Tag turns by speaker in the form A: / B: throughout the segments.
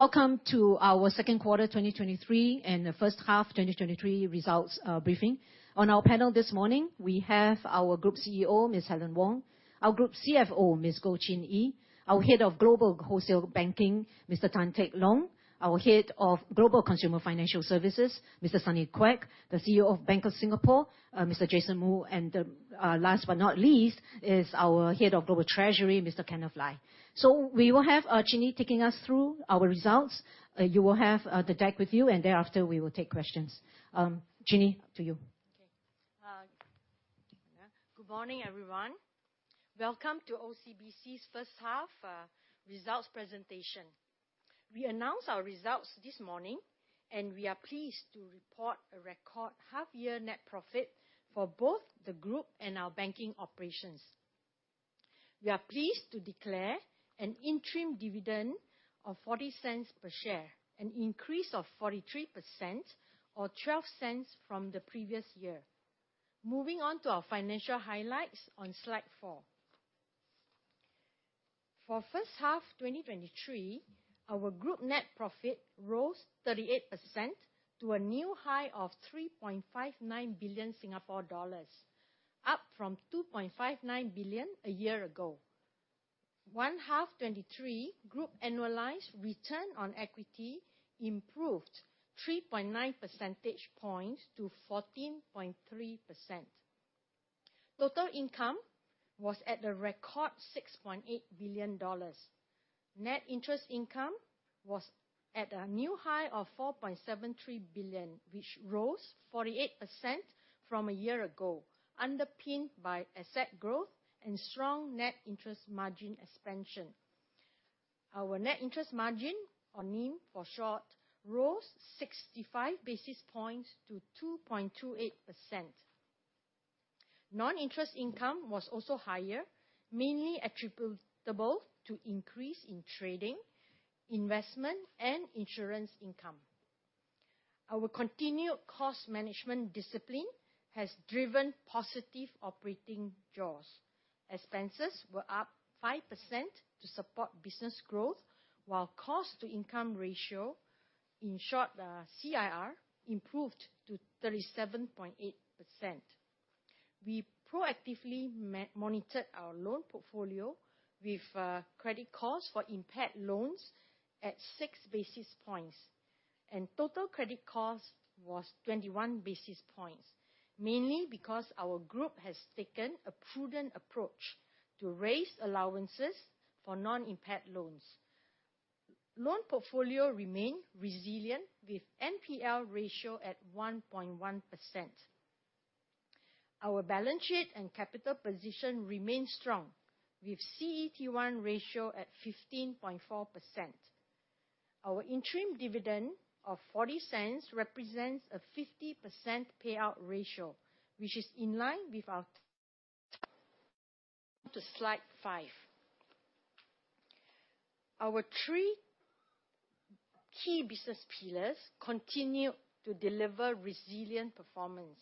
A: Welcome to our Second Quarter 2023, and the First Half 2023 Results Briefing. On our panel this morning, we have our Group CEO, Ms. Helen Wong, our Group CFO, Ms. Goh Chin Yee, our Head of Global Wholesale Banking, Mr. Tan Teck Long, our Head of Global Consumer Financial Services, Mr. Sunny Quek, the CEO of Bank of Singapore, Mr. Jason Moo, and last but not least, is our Head of Global Treasury, Mr. Kenneth Lai. We will have Chin Yee taking us through our results. You will have the deck with you, and thereafter, we will take questions. Chin Yee to you.
B: Okay. Good morning, everyone. Welcome to OCBC's first half results presentation. We announce our results this morning, and we are pleased to report a record half year net profit for both the Group and our banking operations. We are pleased to declare an interim dividend of 40 cents per share, an increase of 43%, or 12 cents from the previous year. Moving on to our financial highlights on slide 4. For first half 2023, our Group net profit rose 38% to a new high of 3.59 billion Singapore dollars, up from 2.59 billion a year ago. H1 2023, Group annualized return on equity improved 3.9 percentage points to 14.3%. Total income was at a record 6.8 billion dollars. Net interest income was at a new high of 4.73 billion, which rose 48% from a year ago, underpinned by asset growth and strong net interest margin expansion. Our net interest margin, or NIM for short, rose 65 basis points to 2.28%. Non-interest income was also higher, mainly attributable to increase in trading, investment, and insurance income. Our continued cost management discipline has driven positive operating jaws. Expenses were up 5% to support business growth, while cost to income ratio, in short, CIR, improved to 37.8%. We proactively monitored our loan portfolio with credit costs for impaired loans at 6 basis points, and total credit cost was 21 basis points, mainly because our group has taken a prudent approach to raise allowances for non-impaired loans. Loan portfolio remain resilient, with NPL ratio at 1.1%. Our balance sheet and capital position remain strong, with CET1 ratio at 15.4%. Our interim dividend of 0.40 represents a 50% payout ratio, which is in line with our... To slide 5. Our 3 key business pillars continue to deliver resilient performance.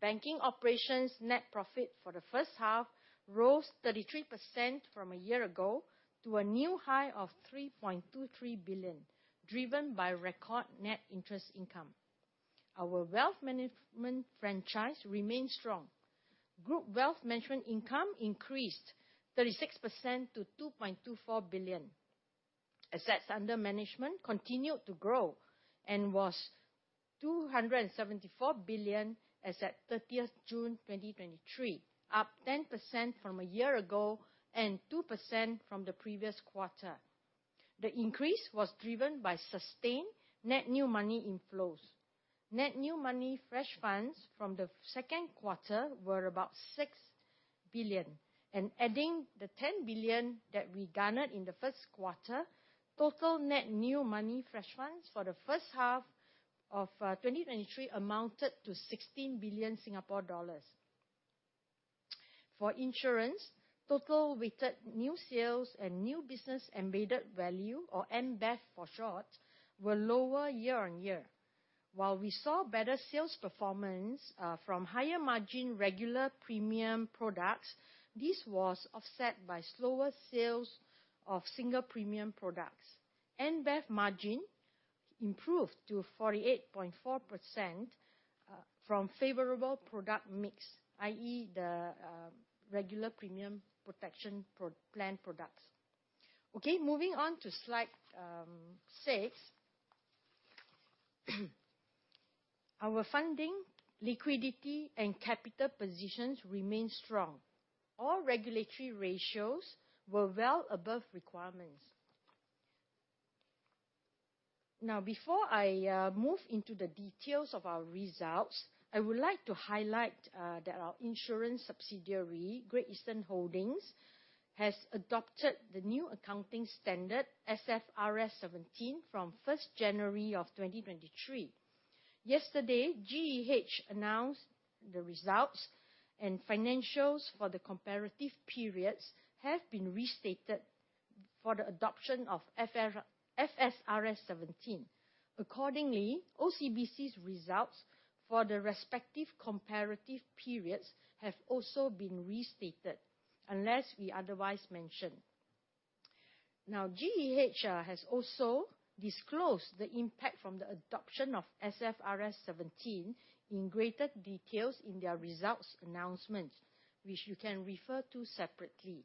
B: Banking operations net profit for the first half rose 33% from a year ago to a new high of 3.23 billion, driven by record net interest income. Our wealth management franchise remains strong. Group wealth management income increased 36% to 2.24 billion. Assets under management continued to grow and was 274 billion as at 30th June 2023, up 10% from a year ago and 2% from the previous quarter. The increase was driven by sustained net new money inflows. Net new money fresh funds from the second quarter were about 6 billion, and adding the 10 billion that we garnered in the first quarter, total net new money fresh funds for the first half of 2023 amounted to 16 billion Singapore dollars. For insurance, total weighted new sales and new business embedded value, or NBEV for short, were lower year on year. While we saw better sales performance from higher margin regular premium products, this was offset by slower sales of single premium products. NBEV margin improved to 48.4% from favorable product mix, i.e., the regular premium protection pro- plan products. Okay, moving on to slide 6. Our funding, liquidity, and capital positions remain strong. All regulatory ratios were well above requirements. Now, before I move into the details of our results, I would like to highlight that our insurance subsidiary, Great Eastern Holdings, has adopted the new accounting standard, SFRS 17, from January 1, 2023. Yesterday, GEH announced the results and financials for the comparative periods have been restated for the adoption of SFRS 17. Accordingly, OCBC's results for the respective comparative periods have also been restated, unless we otherwise mention. Now, GEH has also disclosed the impact from the adoption of SFRS 17 in greater details in their results announcements, which you can refer to separately.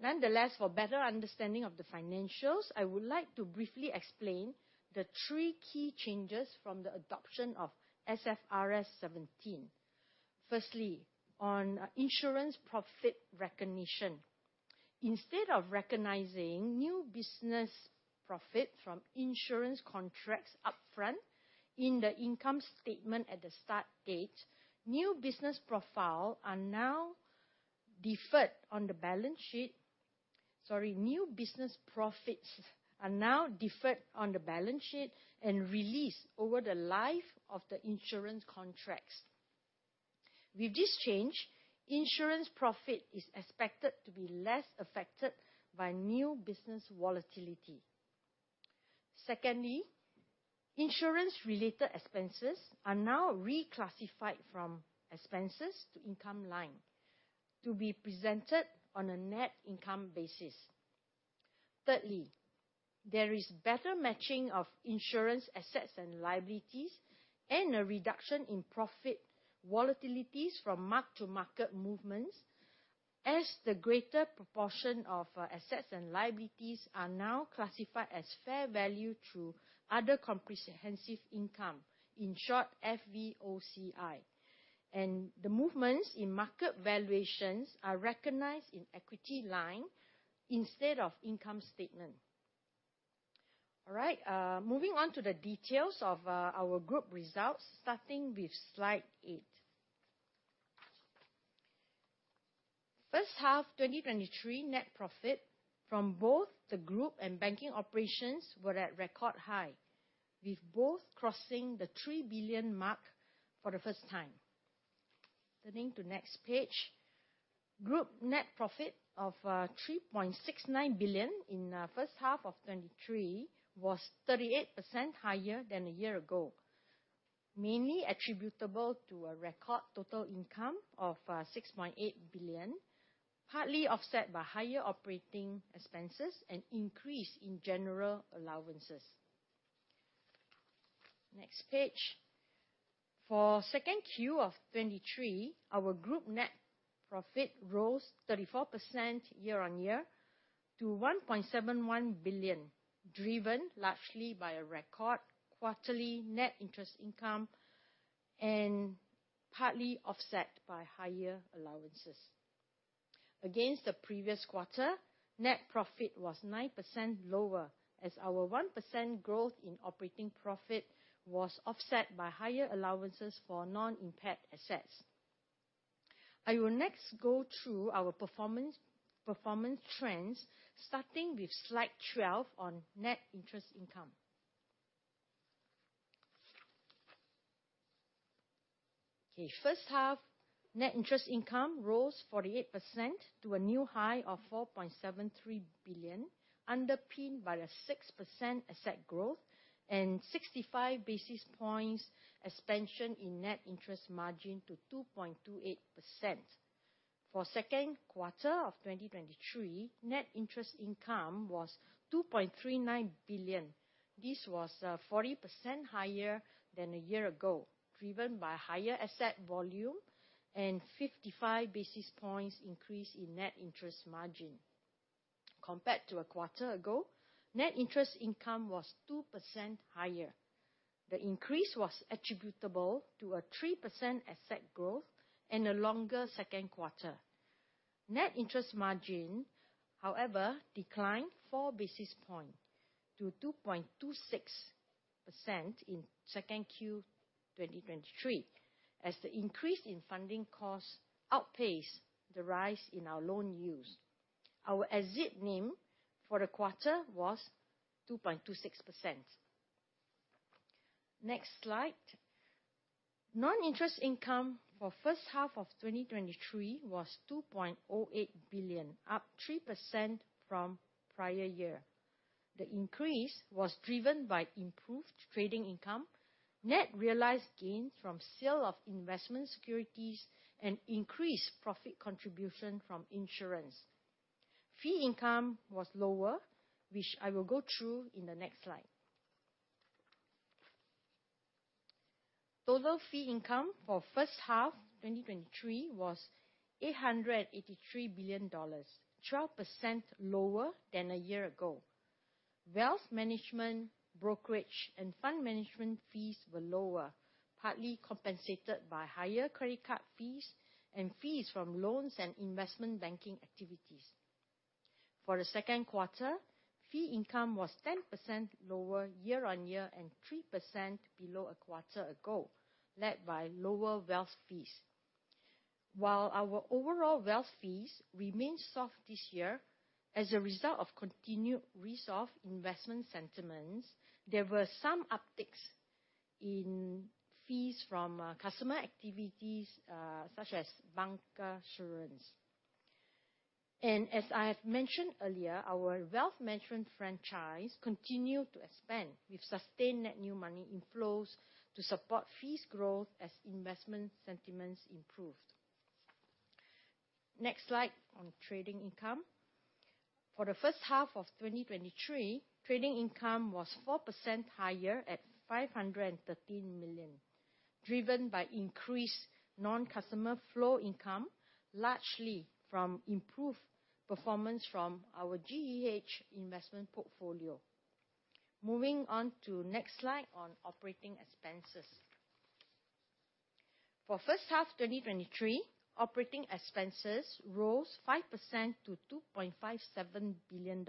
B: Nonetheless, for better understanding of the financials, I would like to briefly explain the three key changes from the adoption of SFRS 17. Firstly, on insurance profit recognition. Instead of recognizing new business profit from insurance contracts upfront in the income statement at the start date, new business profile are now deferred on the balance sheet. Sorry, new business profits are now deferred on the balance sheet and released over the life of the insurance contracts. With this change, insurance profit is expected to be less affected by new business volatility. Secondly, insurance-related expenses are now reclassified from expenses to income line, to be presented on a net income basis. Thirdly, there is better matching of insurance assets and liabilities, and a reduction in profit volatilities from mark-to-market movements, as the greater proportion of assets and liabilities are now classified as fair value through other comprehensive income, in short, FVOCI. The movements in market valuations are recognized in equity line instead of income statement. All right, moving on to the details of our group results, starting with slide 8. First half 2023 net profit from both the group and banking operations were at record high, with both crossing the 3 billion mark for the first time. Turning to next page. Group net profit of 3.69 billion in first half of 2023, was 38% higher than a year ago. Mainly attributable to a record total income of 6.8 billion, partly offset by higher operating expenses and increase in general allowances. Next page. For 2Q 2023, our group net profit rose 34% year-on-year to 1.71 billion, driven largely by a record quarterly net interest income and partly offset by higher allowances. Against the previous quarter, net profit was 9% lower, as our 1% growth in operating profit was offset by higher allowances for non-impaired assets. I will next go through our performance, performance trends, starting with slide 12 on net interest income. first half net interest income rose 48% to a new high of 4.73 billion, underpinned by a 6% asset growth and 65 basis points expansion in net interest margin to 2.28%. For second quarter of 2023, net interest income was 2.39 billion. This was 40% higher than a year ago, driven by higher asset volume and 55 basis points increase in net interest margin. Compared to a quarter ago, net interest income was 2% higher. The increase was attributable to a 3% asset growth and a longer second quarter. Net interest margin, however, declined 4 basis points to 2.26% in second quarter 2023, as the increase in funding costs outpaced the rise in our loan use. Our exit NIM for the quarter was 2.26%. Next slide. Non-interest income for first half 2023 was 2.08 billion, up 3% from prior year. The increase was driven by improved trading income, net realized gains from sale of investment securities, and increased profit contribution from insurance. Fee income was lower, which I will go through in the next slide. Total fee income for first half 2023 was 883 billion dollars, 12% lower than a year ago. Wealth management, brokerage, and fund management fees were lower, partly compensated by higher credit card fees and fees from loans and investment banking activities. For the second quarter, fee income was 10% lower year-on-year and 3% below a quarter ago, led by lower wealth fees. While our overall wealth fees remain soft this year as a result of continued resolve investment sentiments, there were some upticks in fees from customer activities such as bancassurance. As I have mentioned earlier, our wealth management franchise continued to expand, with sustained net new money inflows to support fees growth as investment sentiments improved. Next slide, on trading income. For the first half of 2023, trading income was 4% higher at 513 million, driven by increased non-customer flow income, largely from improved performance from our GEH investment portfolio. Moving on to next slide, on operating expenses. For first half 2023, operating expenses rose 5% to $2.57 billion,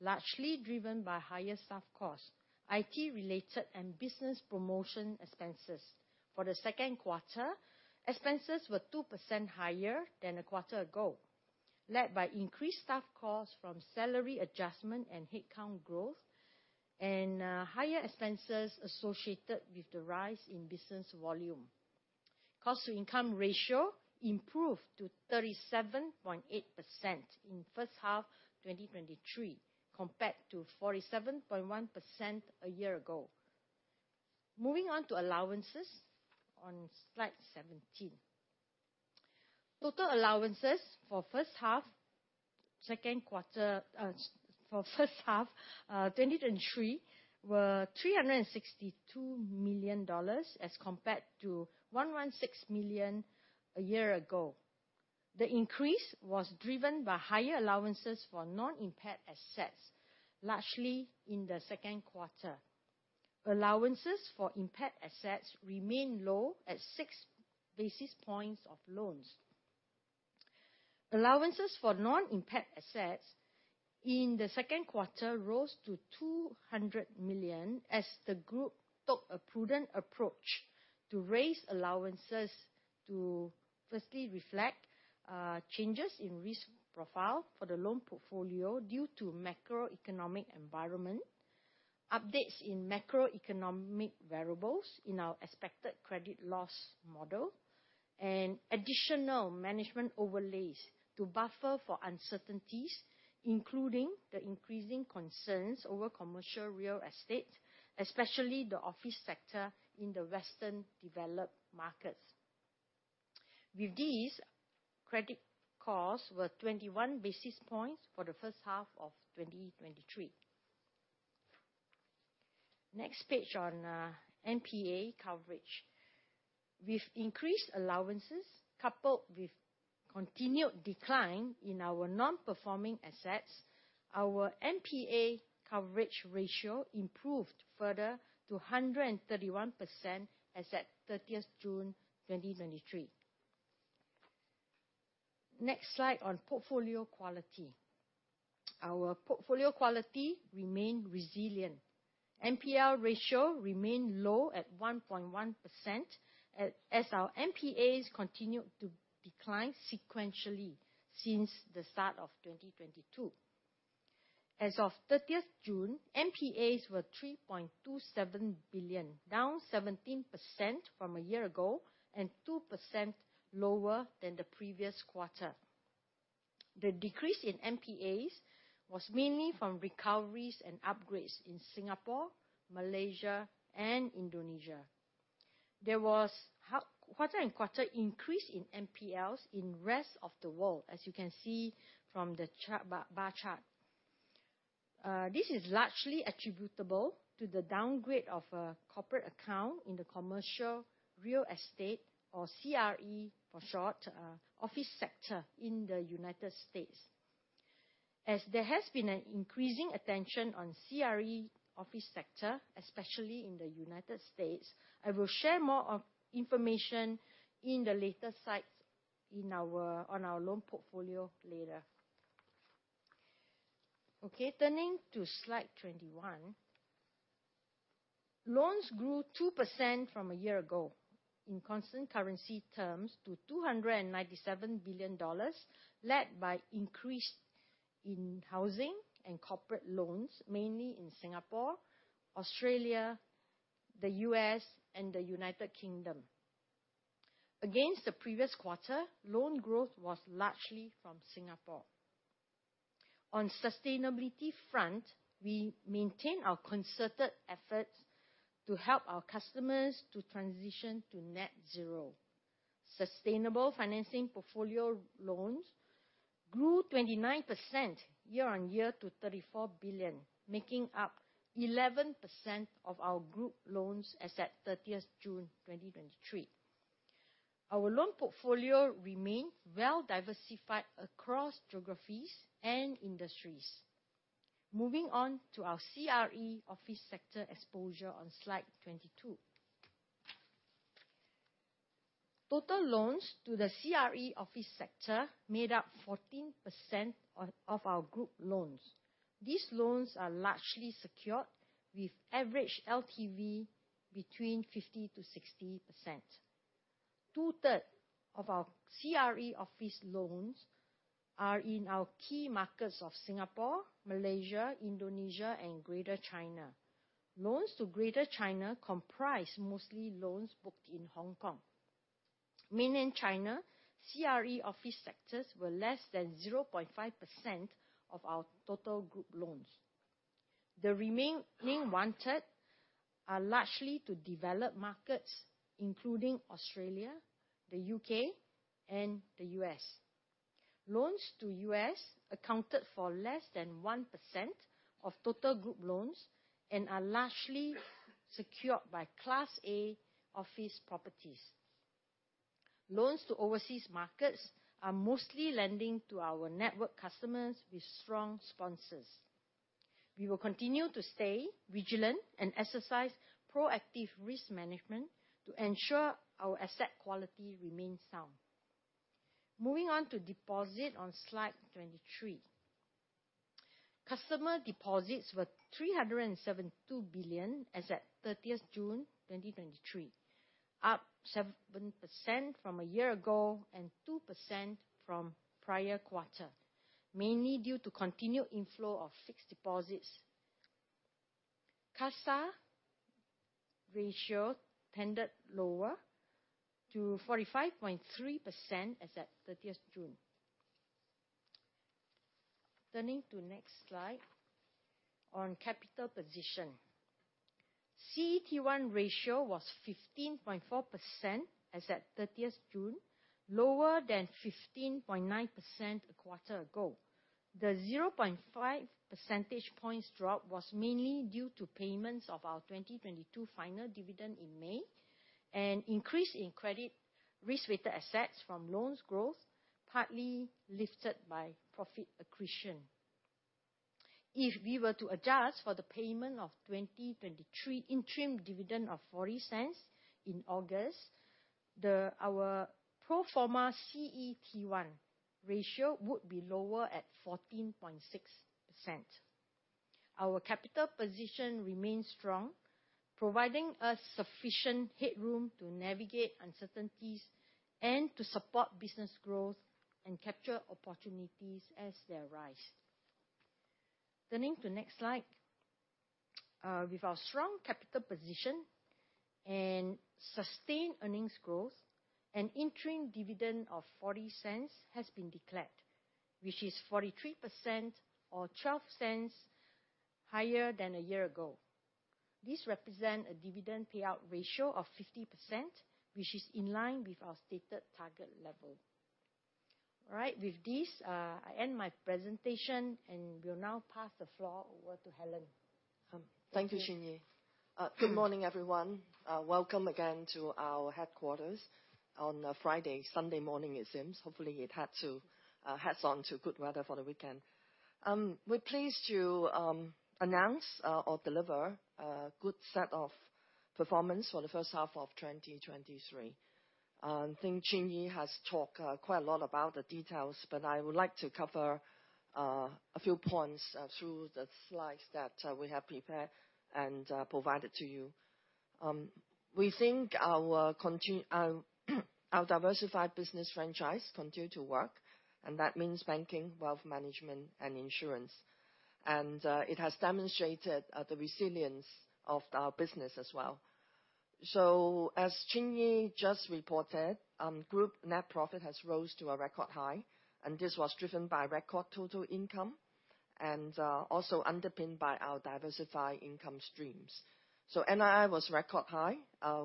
B: largely driven by higher staff costs, IT related and business promotion expenses. For the second quarter, expenses were 2% higher than a quarter ago, led by increased staff costs from salary adjustment and headcount growth, higher expenses associated with the rise in business volume. Cost to income ratio improved to 37.8% in first half 2023, compared to 47.1% a year ago. Moving on to allowances, on slide 17. Total allowances for first half, second quarter, for first half 2023, were $362 million, as compared to $116 million a year ago. The increase was driven by higher allowances for non-impaired assets, largely in the second quarter. Allowances for impaired assets remain low, at 6 basis points of loans. Allowances for non-impaired assets in the second quarter rose to 200 million, as the group took a prudent approach to raise allowances to firstly reflect changes in risk profile for the loan portfolio due to macroeconomic environment, updates in macroeconomic variables in our expected credit loss model, and additional management overlays to buffer for uncertainties, including the increasing concerns over commercial real estate, especially the office sector in the Western developed markets. With this, credit costs were 21 basis points for the first half of 2023. Next page on NPA coverage. With increased allowances, coupled with continued decline in our non-performing assets, our NPA coverage ratio improved further to 131% as at 30th June, 2023. Next slide on portfolio quality. Our portfolio quality remained resilient. NPL ratio remained low at 1.1%, as our NPAs continued to decline sequentially since the start of 2022. As of June 30th, NPAs were 3.27 billion, down 17% from a year ago, and 2% lower than the previous quarter. The decrease in NPAs was mainly from recoveries and upgrades in Singapore, Malaysia, and Indonesia. There was quarter-on-quarter increase in NPLs in rest of the world, as you can see from the chart, bar chart. This is largely attributable to the downgrade of a corporate account in the commercial real estate, or CRE for short, office sector in the United States. As there has been an increasing attention on CRE office sector, especially in the United States, I will share more of information in the later slides on our loan portfolio later. Okay, turning to slide 21. Loans grew 2% from a year ago in constant currency terms, to 297 billion dollars, led by increase in housing and corporate loans, mainly in Singapore, Australia, the U.S., and the U.K. Against the previous quarter, loan growth was largely from Singapore. On sustainability front, we maintain our concerted efforts to help our customers to transition to net zero. Sustainable financing portfolio loans grew 29% year-over-year to 34 billion, making up 11% of our group loans as at 30th June, 2023. Our loan portfolio remained well diversified across geographies and industries. Moving on to our CRE office sector exposure on slide 22. Total loans to the CRE office sector made up 14% of our group loans. These loans are largely secured with average LTV between 50%-60%. 2/3 of our CRE office loans are in our key markets of Singapore, Malaysia, Indonesia, and Greater China. Loans to Greater China comprise mostly loans booked in Hong Kong. Mainland China, CRE office sectors were less than 0.5% of our total group loans. The remaining 1/3 are largely to developed markets, including Australia, the U.K., and the U.S. Loans to U.S. accounted for less than 1% of total group loans and are largely secured by Class A office properties. Loans to overseas markets are mostly lending to our network customers with strong sponsors. We will continue to stay vigilant and exercise proactive risk management to ensure our asset quality remains sound. Moving on to deposit on slide 23. Customer deposits were 372 billion as at 30th June 2023, up 7% from a year ago, and 2% from prior quarter, mainly due to continued inflow of fixed deposits. CASA ratio tended lower to 45.3% as at 30th June. Turning to next slide. On capital position, CET1 ratio was 15.4% as at 30th June, lower than 15.9% a quarter ago. The 0.5 percentage points drop was mainly due to payments of our 2022 final dividend in May, and increase in credit risk-weighted assets from loans growth, partly lifted by profit accretion. If we were to adjust for the payment of 2023 interim dividend of 0.40 in August, our pro forma CET1 ratio would be lower at 14.6%. Our capital position remains strong, providing us sufficient headroom to navigate uncertainties and to support business growth and capture opportunities as they arise. Turning to next slide. With our strong capital position and sustained earnings growth, an interim dividend of 0.40 has been declared, which is 43% or 0.12 higher than a year ago. This represent a dividend payout ratio of 50%, which is in line with our stated target level. All right, with this, I end my presentation, and will now pass the floor over to Helen.
C: Thank you, Chin Yee. Good morning, everyone. Welcome again to our headquarters on a Friday. Sunday morning, it seems. Hopefully, you've had to hats on to good weather for the weekend. We're pleased to announce or deliver a good set of performance for the first half of 2023. I think Chin Yee has talked quite a lot about the details, but I would like to cover a few points through the slides that we have prepared and provided to you. We think our diversified business franchise continue to work, and that means banking, wealth management, and insurance. It has demonstrated the resilience of our business as well. As Chin Yee just reported, group net profit has rose to a record high, and this was driven by record total income and also underpinned by our diversified income streams. NII was record high.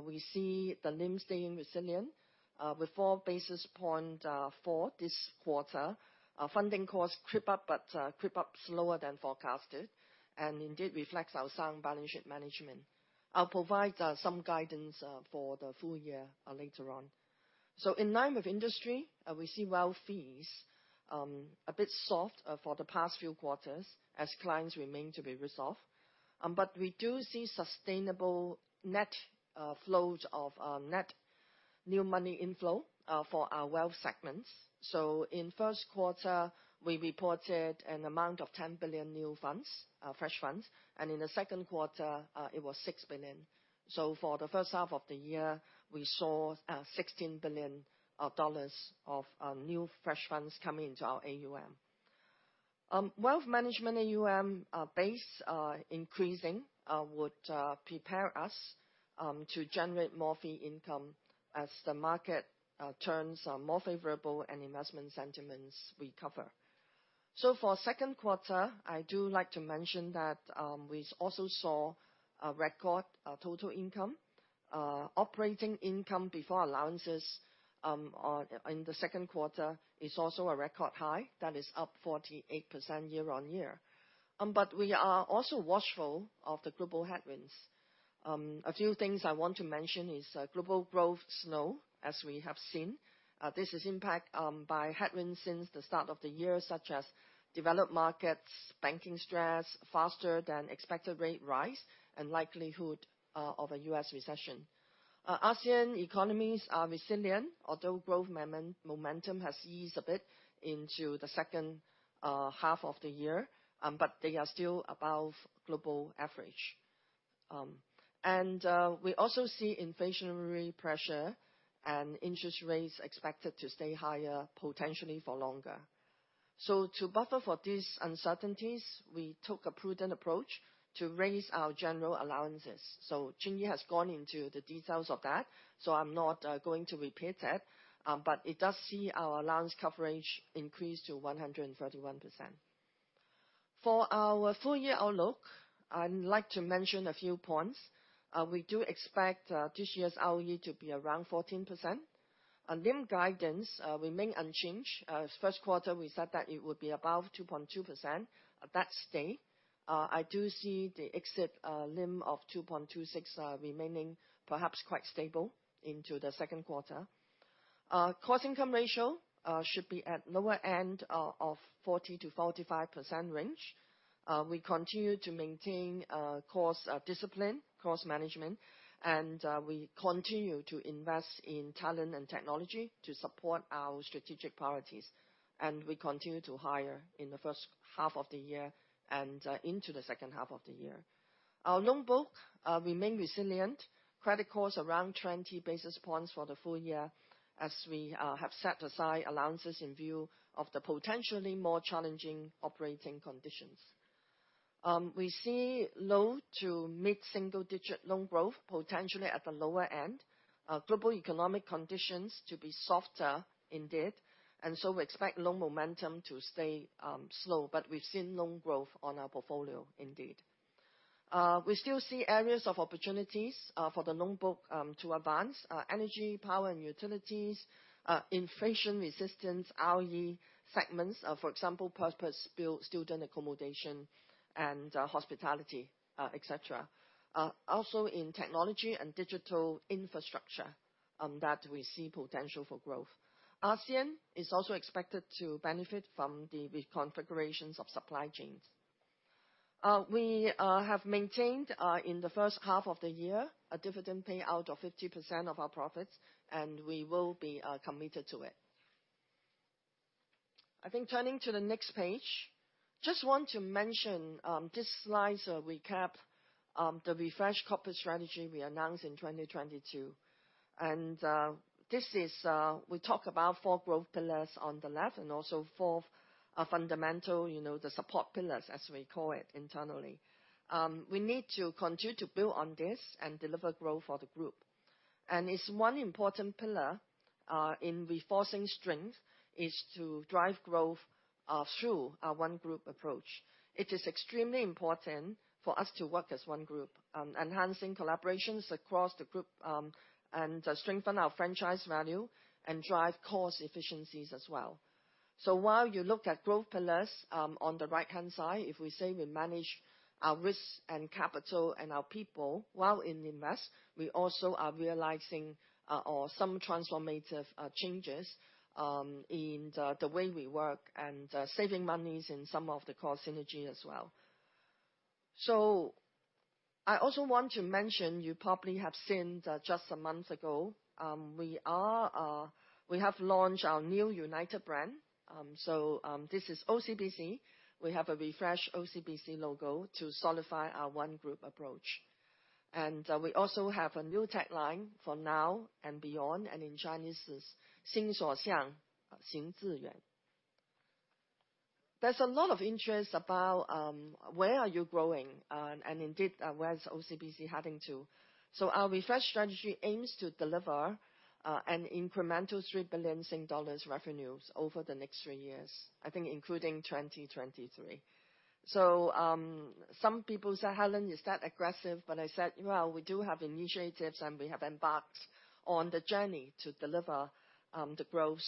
C: We see the NIM staying resilient, with 4 basis point for this quarter. Our funding costs creep up, but creep up slower than forecasted and indeed reflects our sound balance sheet management. I'll provide some guidance for the full year later on. In line with industry, we see wealth fees a bit soft for the past few quarters as clients remain to be resolved. But we do see sustainable net flows of net new money inflow for our Wealth segments. In first quarter, we reported an amount of $10 billion new funds, fresh funds, and in the second quarter, it was $6 billion. For the first half 2023, we saw $16 billion of new fresh funds come into our AUM. Wealth management AUM base increasing would prepare us to generate more fee income as the market turns more favorable and investment sentiments recover. For second quarter 2023, I do like to mention that we also saw a record total income. Operating income before allowances in the second quarter 2023 is also a record high that is up 48% year-on-year. We are also watchful of the global headwinds. A few things I want to mention is, global growth slow, as we have seen. This is impact by headwinds since the start of the year, such as developed markets, banking stress, faster than expected rate rise, and likelihood of a U.S. recession. ASEAN economies are resilient, although growth momentum has eased a bit into the second half of the year, but they are still above global average. We also see inflationary pressure and interest rates expected to stay higher, potentially for longer.... To buffer for these uncertainties, we took a prudent approach to raise our general allowances. Goh Chin Yee has gone into the details of that, so I'm not going to repeat that. It does see our allowance coverage increase to 131%. For our full year outlook, I'd like to mention a few points. We do expect this year's ROE to be around 14%. NIM guidance remain unchanged. First quarter, we said that it would be above 2.2%. That stay. I do see the exit NIM of 2.26 remaining perhaps quite stable into the second quarter. Cost income ratio should be at lower end of 40%-45% range. We continue to maintain cost discipline, cost management, and we continue to invest in talent and technology to support our strategic priorities. We continue to hire in the first half of the year and into the second half of the year. Our loan book remain resilient. Credit costs around 20 basis points for the full year, as we have set aside allowances in view of the potentially more challenging operating conditions. We see low to mid-single digit loan growth, potentially at the lower end. Global economic conditions to be softer indeed, we expect loan momentum to stay slow, but we've seen loan growth on our portfolio indeed. We still see areas of opportunities for the loan book to advance energy, power and utilities, inflation resistance, ROE segments, for example, purpose-built student accommodation and hospitality, et cetera. Also in technology and digital infrastructure that we see potential for growth. RCN is also expected to benefit from the reconfigurations of supply chains. We have maintained in the first half of the year, a dividend payout of 50% of our profits, and we will be committed to it. I think turning to the next page, just want to mention, this slide is a recap, the refreshed corporate strategy we announced in 2022. This is... we talk about four growth pillars on the left, and also four fundamental, you know, the support pillars, as we call it internally. We need to continue to build on this and deliver growth for the group. It's one important pillar in reforcing strength, is to drive growth through our one group approach. It is extremely important for us to work as one group, enhancing collaborations across the group, and to strengthen our franchise value and drive cost efficiencies as well. While you look at growth pillars, on the right-hand side, if we say we manage our risk and capital and our people while in invest, we also are realizing or some transformative changes in the, the way we work, and saving monies in some of the cost synergy as well. I also want to mention, you probably have seen that just a month ago, we are, we have launched our new United brand. This is OCBC. We have a refreshed OCBC logo to solidify our one group approach. We also have a new tagline, For now and beyond, and in Chinese is, "..." There's a lot of interest about, where are you growing? Indeed, where is OCBC having to. Our refresh strategy aims to deliver an incremental 3 billion dollars revenues over the next three years, I think, including 2023. Some people say, "Helen, is that aggressive?" I said, "Well, we do have initiatives, and we have embarked on the journey to deliver the growth."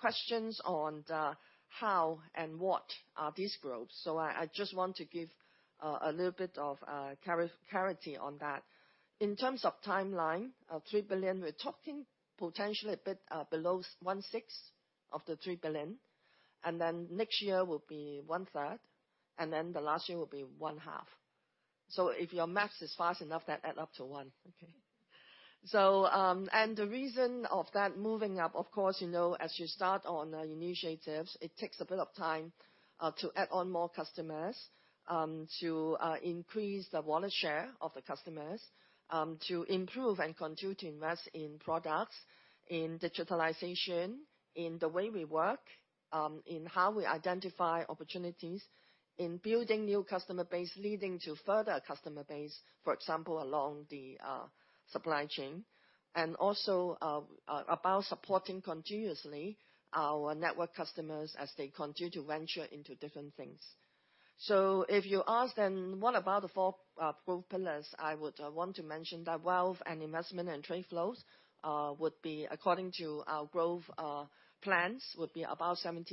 C: Questions on the how and what are these growth? I, I just want to give a little bit of clarity on that. In terms of timeline, 3 billion, we're talking potentially a bit below 1/6 of the 3 billion, and then next year will be 1/3, and then the last year will be 1/2. If your math is fast enough, that add up to 1, okay? And the reason of that moving up, of course, you know, as you start on the initiatives, it takes a bit of time to add on more customers, to increase the wallet share of the customers, to improve and continue to invest in products, in digitalization, in the way we work, in how we identify opportunities, in building new customer base, leading to further customer base, for example, along the supply chain, and also about supporting continuously our network customers as they continue to venture into different things. If you ask them, what about the four growth pillars? I would want to mention that wealth and investment and trade flows would be according to our growth plans, would be about 70%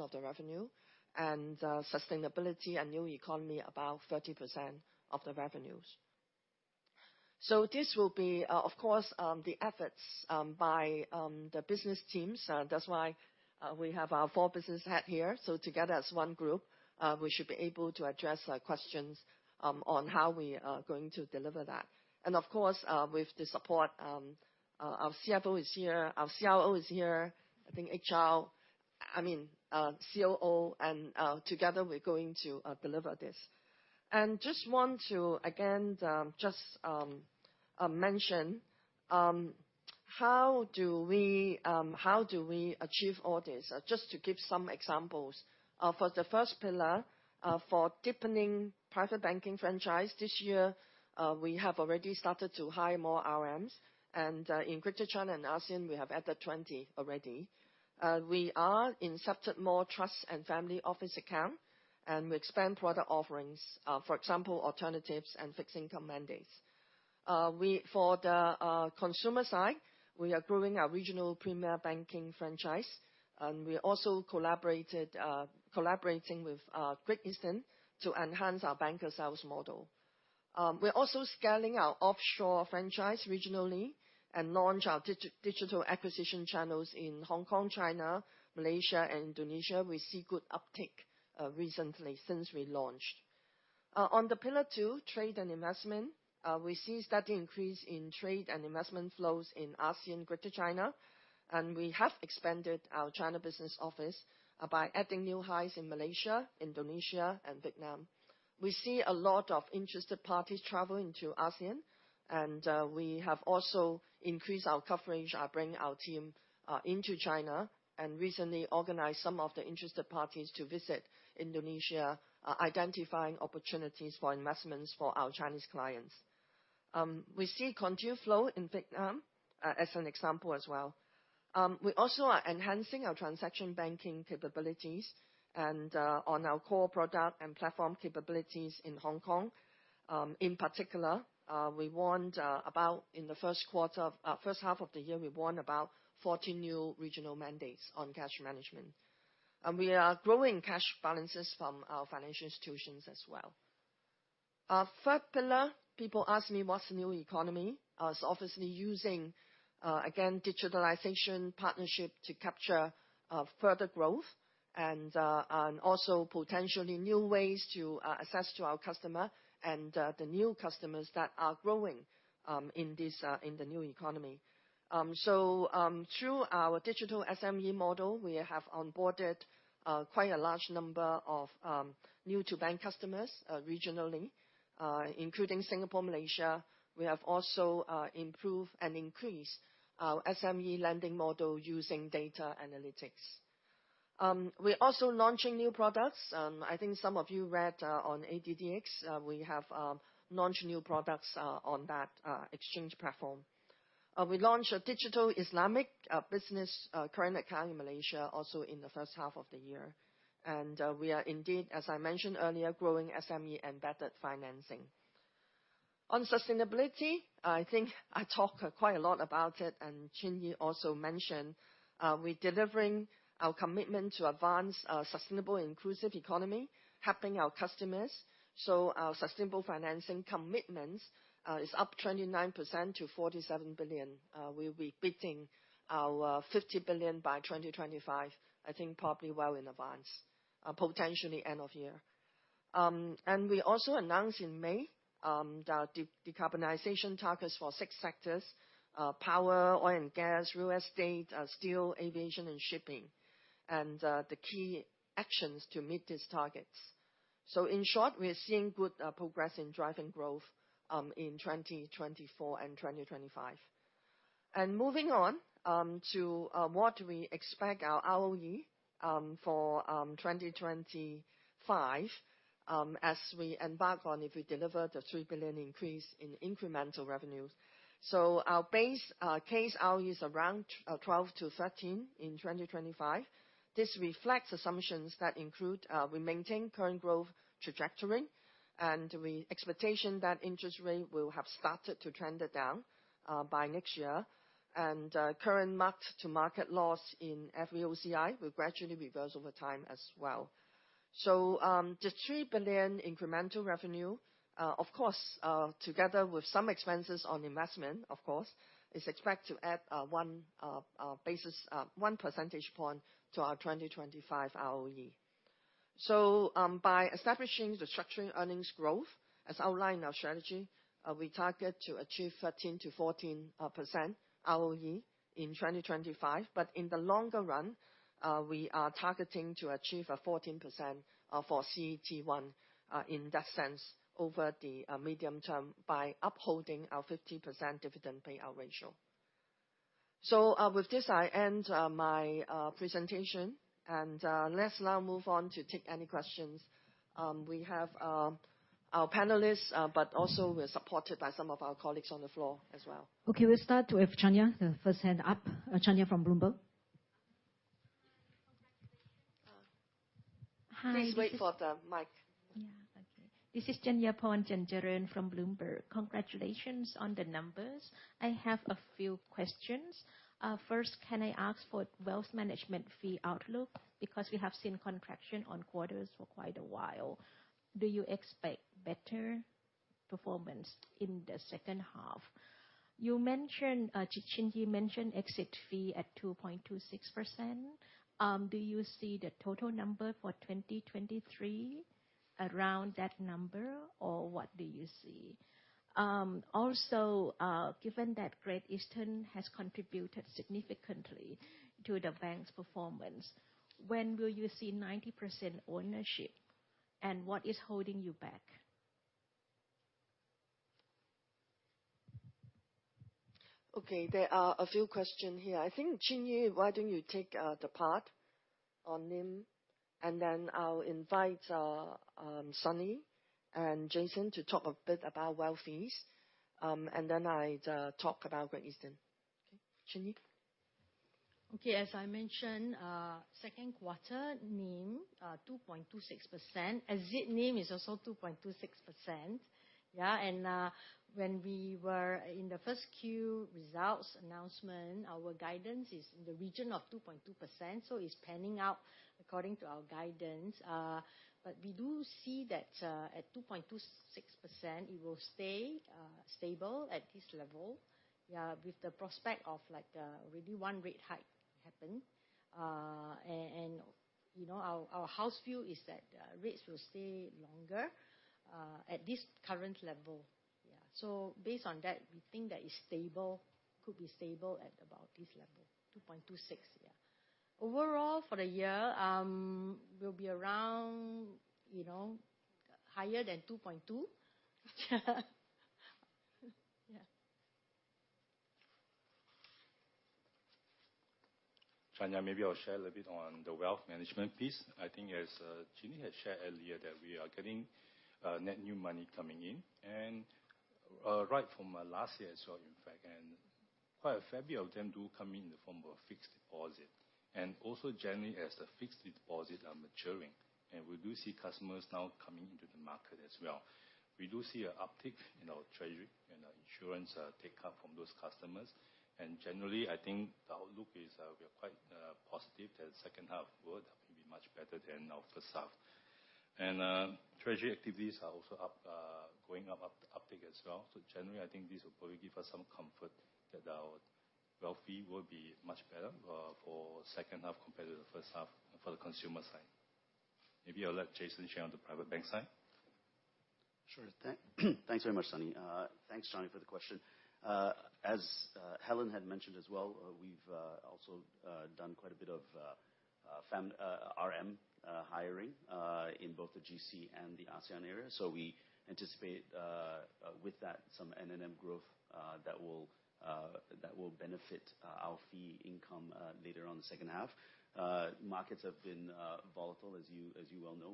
C: of the revenue, sustainability and new economy, about 30% of the revenues. This will be, of course, the efforts by the business teams. That's why we have our four business head here. Together as one group, we should be able to address questions on how we are going to deliver that. Of course, with the support, our CFO is here, our COO is here, I think HR- I mean, COO, together, we're going to deliver this. Just want to, again, just mention, how do we, how do we achieve all this? Just to give some examples. For the first pillar, for deepening private banking franchise this year, we have already started to hire more RMs, and in Greater China and ASEAN, we have added 20 already. We are incepted more trust and family office account, and we expand product offerings, for example, alternatives and fixed income mandates. We-- for the consumer side, we are growing our regional premier banking franchise, and we also collaborated, collaborating with Great Eastern to enhance our banker sales model. We're also scaling our offshore franchise regionally, and launch our digi- digital acquisition channels in Hong Kong, China, Malaysia, and Indonesia. We see good uptick recently since we launched. On the pillar two, trade and investment, we see steady increase in trade and investment flows in ASEAN, Greater China, and we have expanded our China business office by adding new highs in Malaysia, Indonesia, and Vietnam. We see a lot of interested parties traveling to ASEAN, and we have also increased our coverage, bringing our team into China, and recently organized some of the interested parties to visit Indonesia, identifying opportunities for investments for our Chinese clients. We see continued flow in Vietnam as an example as well. We also are enhancing our transaction banking capabilities, and on our core product and platform capabilities in Hong Kong. In particular, we won about in the first half of the year, we won about 14 new regional mandates on cash management. We are growing cash balances from our financial institutions as well. Our third pillar, people ask me, what's new economy? It's obviously using, again, digitalization partnership to capture further growth, and also potentially new ways to access to our customer and the new customers that are growing in this in the new economy. Through our digital SME model, we have onboarded quite a large number of new-to-bank customers regionally, including Singapore, Malaysia. We have also improved and increased our SME lending model using data analytics. We're also launching new products. I think some of you read on ADDX. We have launched new products on that Exchange platform. We launched a digital Islamic business current account in Malaysia, also in the first half of the year. We are indeed, as I mentioned earlier, growing SME and better financing. On sustainability, I think I talked quite a lot about it, and Chin Yee also mentioned, we're delivering our commitment to advance a sustainable, inclusive economy, helping our customers. Our sustainable financing commitments is up 29% to 47 billion. We'll be beating our 50 billion by 2025, I think probably well in advance, potentially end of year. We also announced in May the decarbonization targets for six sectors: Power, Oil & Gas, Real Estate, Steel, Aviation, and Shipping, and the key actions to meet these targets. In short, we are seeing good progress in driving growth in 2024 and 2025. Moving on to what we expect our ROE for 2025 as we embark on if we deliver the 3 billion increase in incremental revenues. Our base case ROE is around 12%-13% in 2025. This reflects assumptions that include we maintain current growth trajectory, and we expectation that interest rate will have started to trend down by next year. Current mark-to-market loss in FVOCI will gradually reverse over time as well. The 3 billion incremental revenue, of course, together with some expenses on investment, of course, is expected to add 1 percentage point to our 2025 ROE. By establishing the structured earnings growth, as outlined in our strategy, we target to achieve 13%-14% ROE in 2025. In the longer run, we are targeting to achieve a 14% for CET1, in that sense, over the medium term, by upholding our 50% dividend payout ratio. With this, I end my presentation. Let's now move on to take any questions. We have our panelists, but also we're supported by some of our colleagues on the floor as well.
A: Okay, we'll start with Chanya, the first hand up. Chanya from Bloomberg.
D: Congratulations.
C: Please wait for the mic.
D: Yeah. Okay. This is Chanyaporn Chanjaroen from Bloomberg. Congratulations on the numbers. I have a few questions. First, can I ask for wealth management fee outlook? Because we have seen contraction on quarters for quite a while. Do you expect better performance in the second half? You mentioned, Chin, Goh Chin Yee mentioned exit fee at 2.26%. Do you see the total number for 2023 around that number, or what do you see? Also, given that Great Eastern has contributed significantly to the bank's performance, when will you see 90% ownership, and what is holding you back?
C: Okay, there are a few question here. I think, Chin Yee, why don't you take the part on NIM, and then I'll invite Sunny and Jason to talk a bit about wealth fees. Then I'd talk about Great Eastern. Okay, Chin Yee?
B: Okay, as I mentioned, second quarter NIM, 2.26%. Exit NIM is also 2.26%. Yeah, when we were in the first Q results announcement, our guidance is in the region of 2.2%, so it's panning out according to our guidance. We do see that, at 2.26%, it will stay stable at this level, yeah, with the prospect of, like, maybe 1 rate hike happen. You know, our, our house view is that rates will stay longer at this current level. Yeah. Based on that, we think that it's stable, could be stable at about this level, 2.26. Yeah. Overall, for the year, will be around, you know, higher than 2.2. Yeah.
E: China, maybe I'll share a little bit on the wealth management piece. I think as Chin Yee had shared earlier, that we are getting net new money coming in, and right from last year as well, in fact, and quite a fair few of them do come in the form of a fixed deposit. Also generally, as the fixed deposit are maturing, and we do see customers now coming into the market as well. We do see a uptick in our treasury and our insurance take up from those customers. Generally, I think the outlook is, we are quite positive that second half will be much better than our first half. Treasury activities are also up, going up, up, uptick as well. Generally, I think this will probably give us some comfort that our wealth fee will be much better for second half compared to the first half for the consumer side. Maybe I'll let Jason share on the private bank side.
F: Sure. Thanks very much, Sunny. Thanks, Chanya, for the question. As Helen had mentioned as well, we've also done quite a bit of RM hiring in both the GC and the ASEAN area. We anticipate with that, some NNM growth that will that will benefit our fee income later on in the second half. Markets have been volatile, as you, as you well know.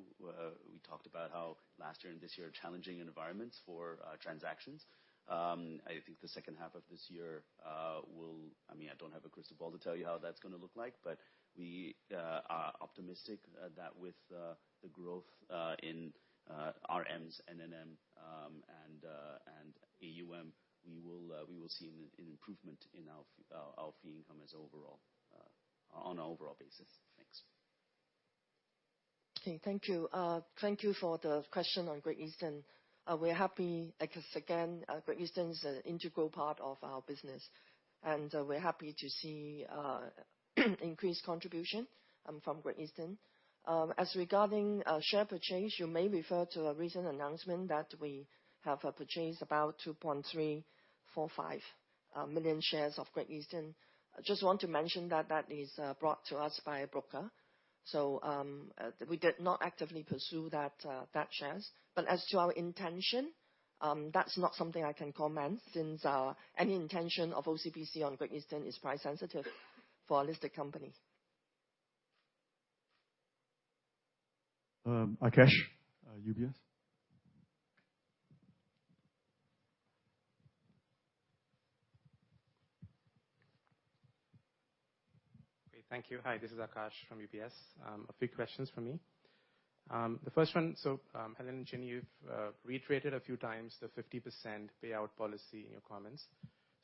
F: We talked about how last year and this year are challenging environments for transactions. I think the second half of this year will, I mean, I don't have a crystal ball to tell you how that's gonna look like, but we are optimistic that with the growth in RMs, NNM, and AUM, we will see an improvement in our fee income as overall on an overall basis. Thanks.
C: Okay. Thank you. Thank you for the question on Great Eastern. We're happy, like, again, Great Eastern is an integral part of our business, and we're happy to see increased contribution from Great Eastern. As regarding share purchase, you may refer to a recent announcement that we have purchased about 2.345 million shares of Great Eastern. I just want to mention that that is brought to us by a broker, so we did not actively pursue that shares. As to our intention, that's not something I can comment, since any intention of OCBC on Great Eastern is price-sensitive for a listed company.
A: Aakash, UBS?
G: Great. Thank you. Hi, this is Aakash from UBS. A few questions from me. The first one, Helen and Chin Yee, you've reiterated a few times the 50% payout policy in your comments.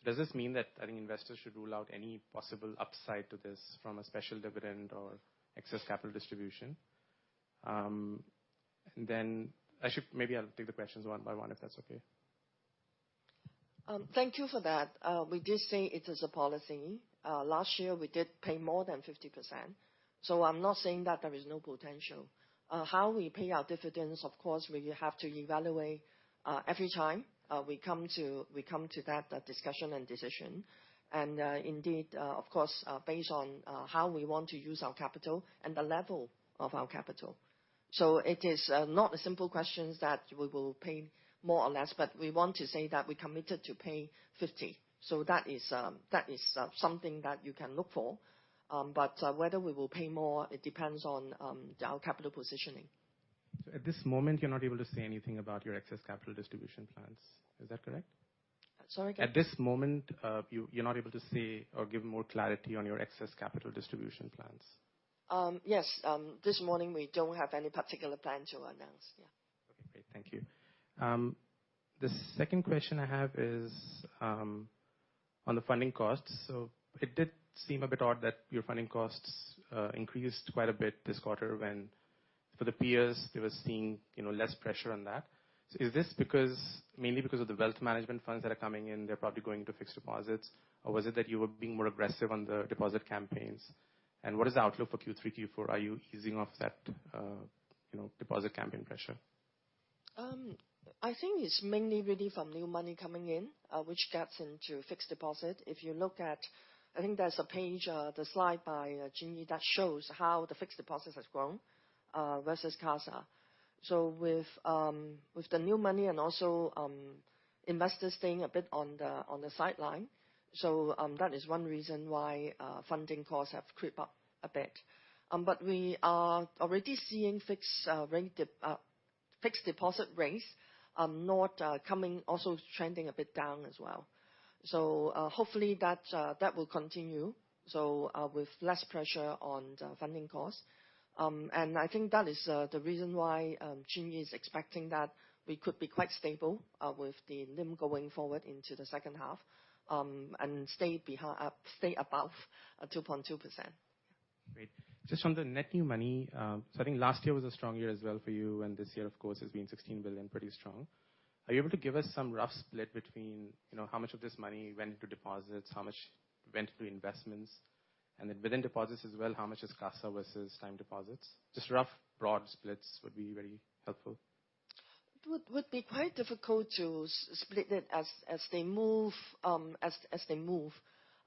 G: Does this mean that any investors should rule out any possible upside to this from a special dividend or excess capital distribution? Maybe I'll take the questions one by one, if that's okay.
C: Thank you for that. We did say it is a policy. Last year, we did pay more than 50%, so I'm not saying that there is no potential. How we pay our dividends, of course, we have to evaluate every time we come to, we come to that discussion and decision. Indeed, of course, based on how we want to use our capital and the level of our capital. It is not a simple question that we will pay more or less, but we want to say that we're committed to paying 50. That is, that is something that you can look for. But whether we will pay more, it depends on our capital positioning.
G: At this moment, you're not able to say anything about your excess capital distribution plans, is that correct?
C: Sorry again?
G: At this moment, you, you're not able to say or give more clarity on your excess capital distribution plans?
C: Yes. This morning, we don't have any particular plan to announce. Yeah.
G: Okay, great. Thank you. The second question I have is, on the funding costs. It did seem a bit odd that your funding costs increased quite a bit this quarter when, for the peers, they were seeing, you know, less pressure on that. Is this because, mainly because of the wealth management funds that are coming in, they're probably going to fixed deposits? Or was it that you were being more aggressive on the deposit campaigns? What is the outlook for Q3, Q4? Are you easing off that, you know, deposit campaign pressure?
C: I think it's mainly really from new money coming in, which gets into fixed deposit. If you look at... I think there's a page, the slide by, Chin Yee, that shows how the fixed deposits has grown, versus CASA. With, with the new money and also investors staying a bit on the, on the sideline. That is one reason why funding costs have creeped up a bit. We are already seeing fixed rate dip, fixed deposit rates, not coming, also trending a bit down as well. Hopefully, that that will continue, with less pressure on the funding costs. I think that is the reason why Chin Yee is expecting that we could be quite stable with the NIM going forward into the second half, and stay above 2.2%.
G: Great. Just on the net new money, I think last year was a strong year as well for you, and this year, of course, has been 16 billion, pretty strong. Are you able to give us some rough split between, you know, how much of this money went into deposits, how much went to investments? Then within deposits as well, how much is CASA versus time deposits? Just rough, broad splits would be very helpful.
C: It would be quite difficult to split it as they move, as they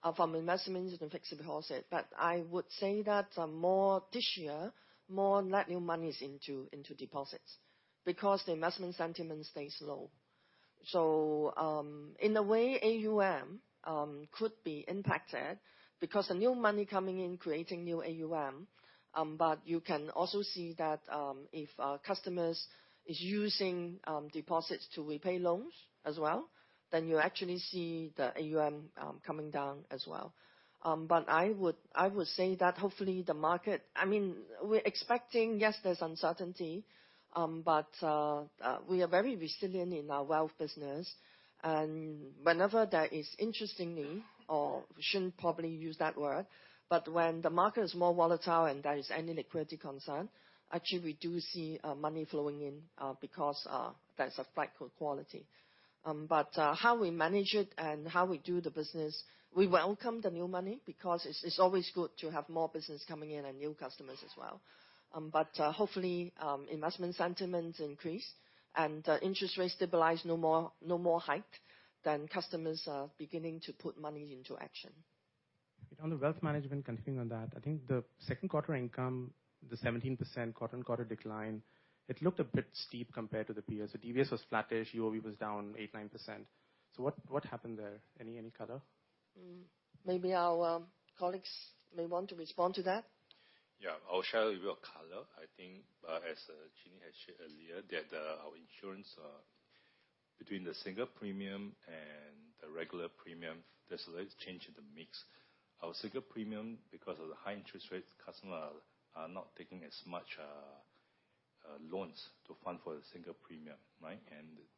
C: move from investments into fixed deposits. I would say that more this year, more net new money is into deposits because the investment sentiment stays low. In a way, AUM could be impacted because the new money coming in, creating new AUM, you can also see that if our customers is using deposits to repay loans as well, then you actually see the AUM coming down as well. I would say that hopefully the market... I mean, we're expecting, yes, there's uncertainty, we are very resilient in our wealth business. Whenever there is interestingly, or shouldn't probably use that word, but when the market is more volatile and there is any liquidity concern, actually we do see money flowing in because there's a flight for quality. How we manage it and how we do the business, we welcome the new money because it's, it's always good to have more business coming in and new customers as well. Hopefully, investment sentiment increase and interest rates stabilize, no more, no more hike, then customers are beginning to put money into action.
G: On the wealth management, continuing on that, I think the second quarter income, the 17% quarter-on-quarter decline, it looked a bit steep compared to the peers. The DBS was flattish, UOB was down 8%-9%. What, what happened there? Any, any color?
C: Mm. Maybe our colleagues may want to respond to that.
E: Yeah, I'll share with you color. I think, as Chin Yee had shared earlier, that our insurance, between the single premium and the regular premium, there's a little change in the mix. Our single premium, because of the high interest rates, customer are, are not taking as much loans to fund for the single premium, right?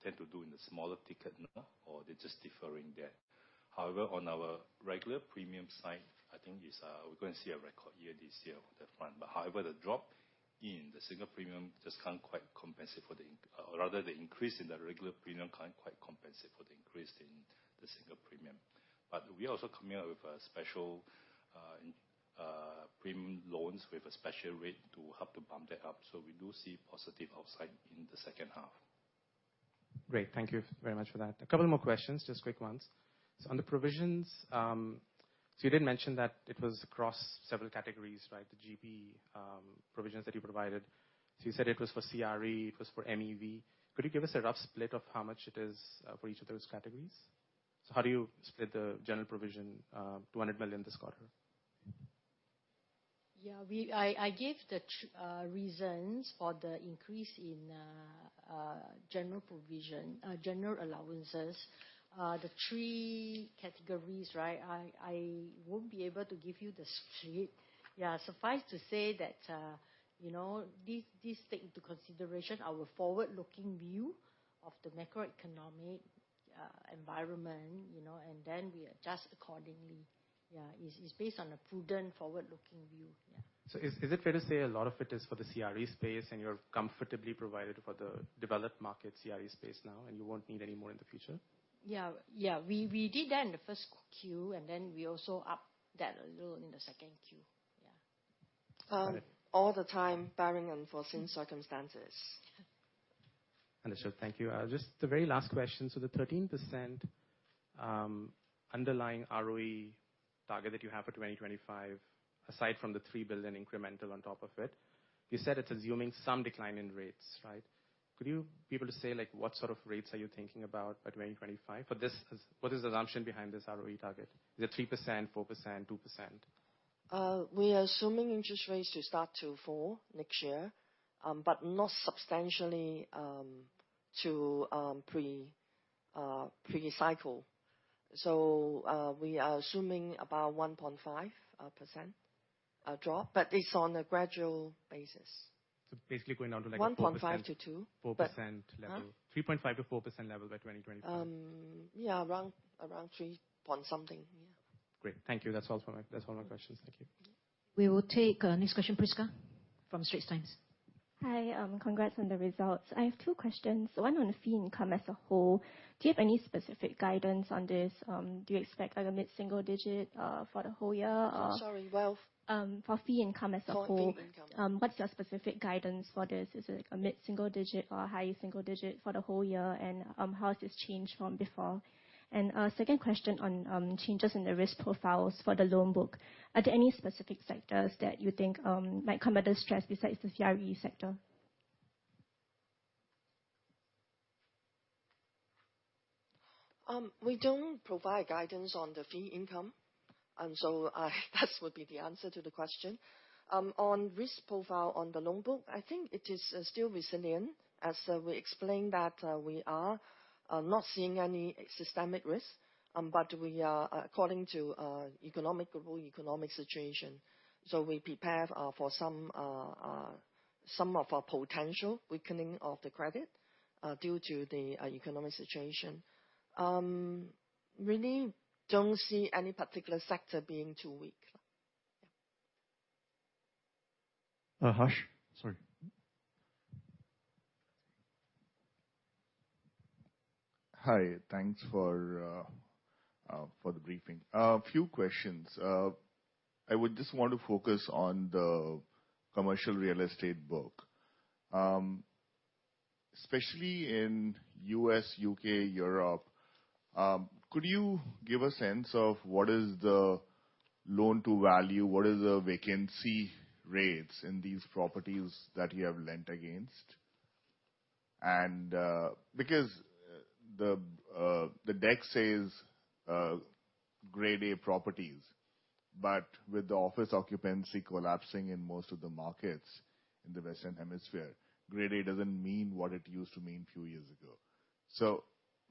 E: Tend to do in the smaller ticket now, or they're just deferring that. However, on our regular premium side, I think is, we're going to see a record year this year with the fund. However, the drop in the single premium just can't quite compensate for the rather, the increase in the regular premium can't quite compensate for the increase in the single premium. We are also coming out with a special premium loans with a special rate to help to bump that up, so we do see positive upside in the second half.
G: Great. Thank you very much for that. A couple more questions, just quick ones. On the provisions, you did mention that it was across several categories, right? The GP provisions that you provided. You said it was for CRE, it was for MEV. Could you give us a rough split of how much it is for each of those categories? How do you split the general provision, 200 million this quarter?
B: Yeah. We... I, I gave the reasons for the increase in general provision, general allowances, the three categories, right? I, I won't be able to give you the split. Yeah, suffice to say that, you know, this, this take into consideration our forward-looking view of the macroeconomic environment, you know, and then we adjust accordingly. Yeah, it's, it's based on a prudent forward-looking view, yeah.
G: Is it fair to say a lot of it is for the CRE space, and you're comfortably provided for the developed market CRE space now, and you won't need any more in the future?
B: Yeah. Yeah, we, we did that in the first Q, and then we also upped that a little in the second Q. Yeah.
C: All the time, barring unforeseen circumstances.
G: Understood. Thank you. Just the very last question. The 13%, underlying ROE target that you have for 2025, aside from the 3 billion incremental on top of it, you said it's assuming some decline in rates, right? Could you be able to say, like, what sort of rates are you thinking about by 2025? For this, what is the assumption behind this ROE target? Is it 3%, 4%, 2%?
C: We are assuming interest rates to start to fall next year, but not substantially, to pre pre-cycle. We are assuming about 1.5% drop, but it's on a gradual basis.
G: Basically going down to like a 4%-
C: One point five to two.
G: 4% level.
C: Huh?
G: 3.5%-4% level by 2025.
C: Yeah, around, around 3.something. Yeah.
G: Great. Thank you. That's all my questions. Thank you.
A: We will take, next question, Prisca from Straits Times.
H: Hi. Congrats on the results. I have two questions. One on the fee income as a whole, do you have any specific guidance on this? Do you expect like a mid-single digit for the whole year, or?
C: Sorry, wealth?
H: For fee income as a whole.
C: For fee income.
H: What's your specific guidance for this? Is it like a mid-single digit or a high single digit for the whole year? How has this changed from before? Second question on changes in the risk profiles for the loan book. Are there any specific sectors that you think, might come under stress besides the CRE sector?
C: We don't provide guidance on the fee income, that would be the answer to the question. On risk profile on the loan book, I think it is still resilient, as we explained that we are not seeing any systemic risk, but we are according to global economic situation. We prepare for some, some of our potential weakening of the credit due to the economic situation. Really don't see any particular sector being too weak. Yeah.
A: Harsh? Sorry.
I: Hi, thanks for, for the briefing. A few questions. I would just want to focus on the commercial real estate book. Especially in U.S., U.K., Europe, could you give a sense of what is the loan-to-value, what is the vacancy rates in these properties that you have lent against? Because the deck says Grade A properties, but with the office occupancy collapsing in most of the markets in the Western Hemisphere, Grade A doesn't mean what it used to mean a few years ago.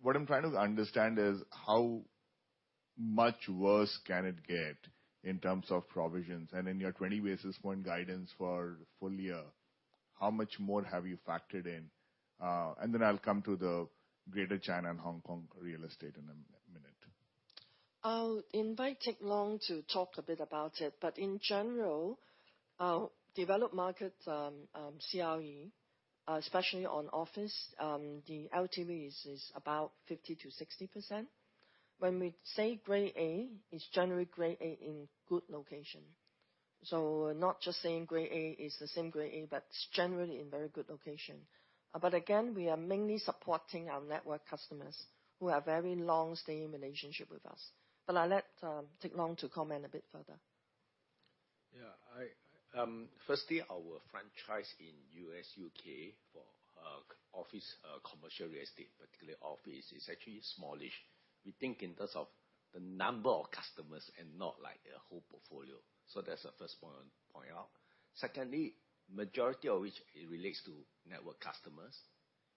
I: What I'm trying to understand is, how much worse can it get in terms of provisions? In your 20 basis point guidance for full year, how much more have you factored in? I'll come to the Greater China and Hong Kong real estate in a minute.
C: I'll invite Teck Long to talk a bit about it, but in general, developed markets, CRE, especially on office, the LTVs is about 50%-60%. When we say Grade A, it's generally Grade A in good location. Not just saying Grade A is the same Grade A, but generally in very good location. Again, we are mainly supporting our network customers who have very long-standing relationship with us. I'll let Teck Long to comment a bit further.
J: Yeah, I, firstly, our franchise in U.S., U.K., for office, commercial real estate, particularly office, is actually smallish. We think in terms of the number of customers and not, like, the whole portfolio. That's the first point I want to point out. Secondly, majority of which it relates to network customers.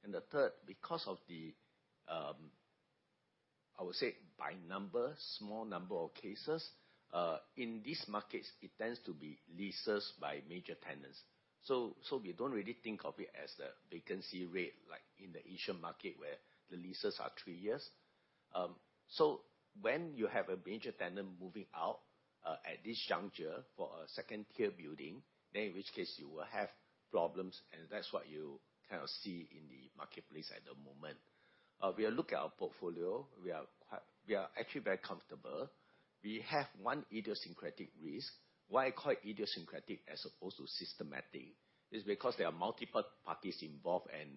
J: The third, because of the, I would say, by number, small number of cases in these markets, it tends to be leases by major tenants. We don't really think of it as a vacancy rate, like in the Asian market, where the leases are three years. When you have a major tenant moving out at this juncture for a second-tier building, then in which case you will have problems, and that's what you kind of see in the marketplace at the moment. We are look at our portfolio, we are actually very comfortable. We have one idiosyncratic risk. Why I call it idiosyncratic as opposed to systematic, is because there are multiple parties involved and,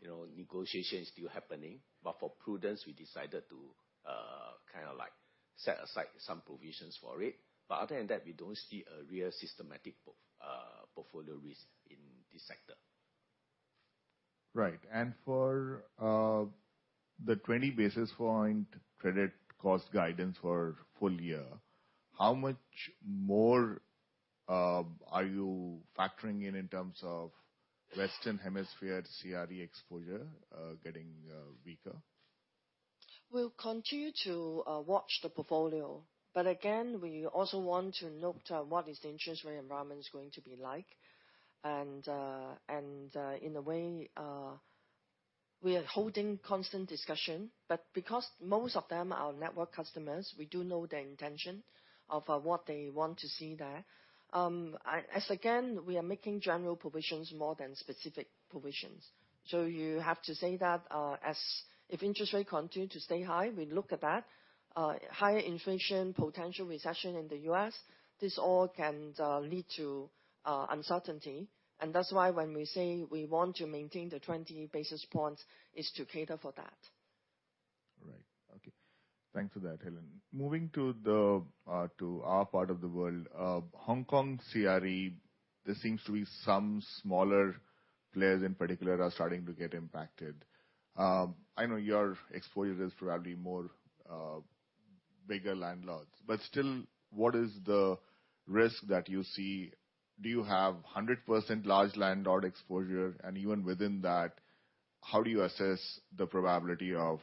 J: you know, negotiations still happening. For prudence, we decided to, kind of like set aside some provisions for it. Other than that, we don't see a real systematic port... portfolio risk in this sector.
I: Right. For the 20 basis point credit cost guidance for full year, how much more are you factoring in in terms of Western Hemisphere CRE exposure getting weaker?
C: We'll continue to watch the portfolio, but again, we also want to note what is the interest rate environment is going to be like. And in a way, we are holding constant discussion, but because most of them are network customers, we do know their intention of what they want to see there. As again, we are making general provisions more than specific provisions. So you have to say that as if interest rates continue to stay high, we look at that. Higher inflation, potential recession in the U.S., this all can lead to uncertainty. And that's why when we say we want to maintain the 20 basis points, is to cater for that.
I: All right. Okay. Thanks for that, Helen. Moving to the to our part of the world, Hong Kong CRE, there seems to be some smaller players in particular are starting to get impacted. I know your exposure is probably more bigger landlords, but still, what is the risk that you see? Do you have 100% large landlord exposure, and even within that, how do you assess the probability of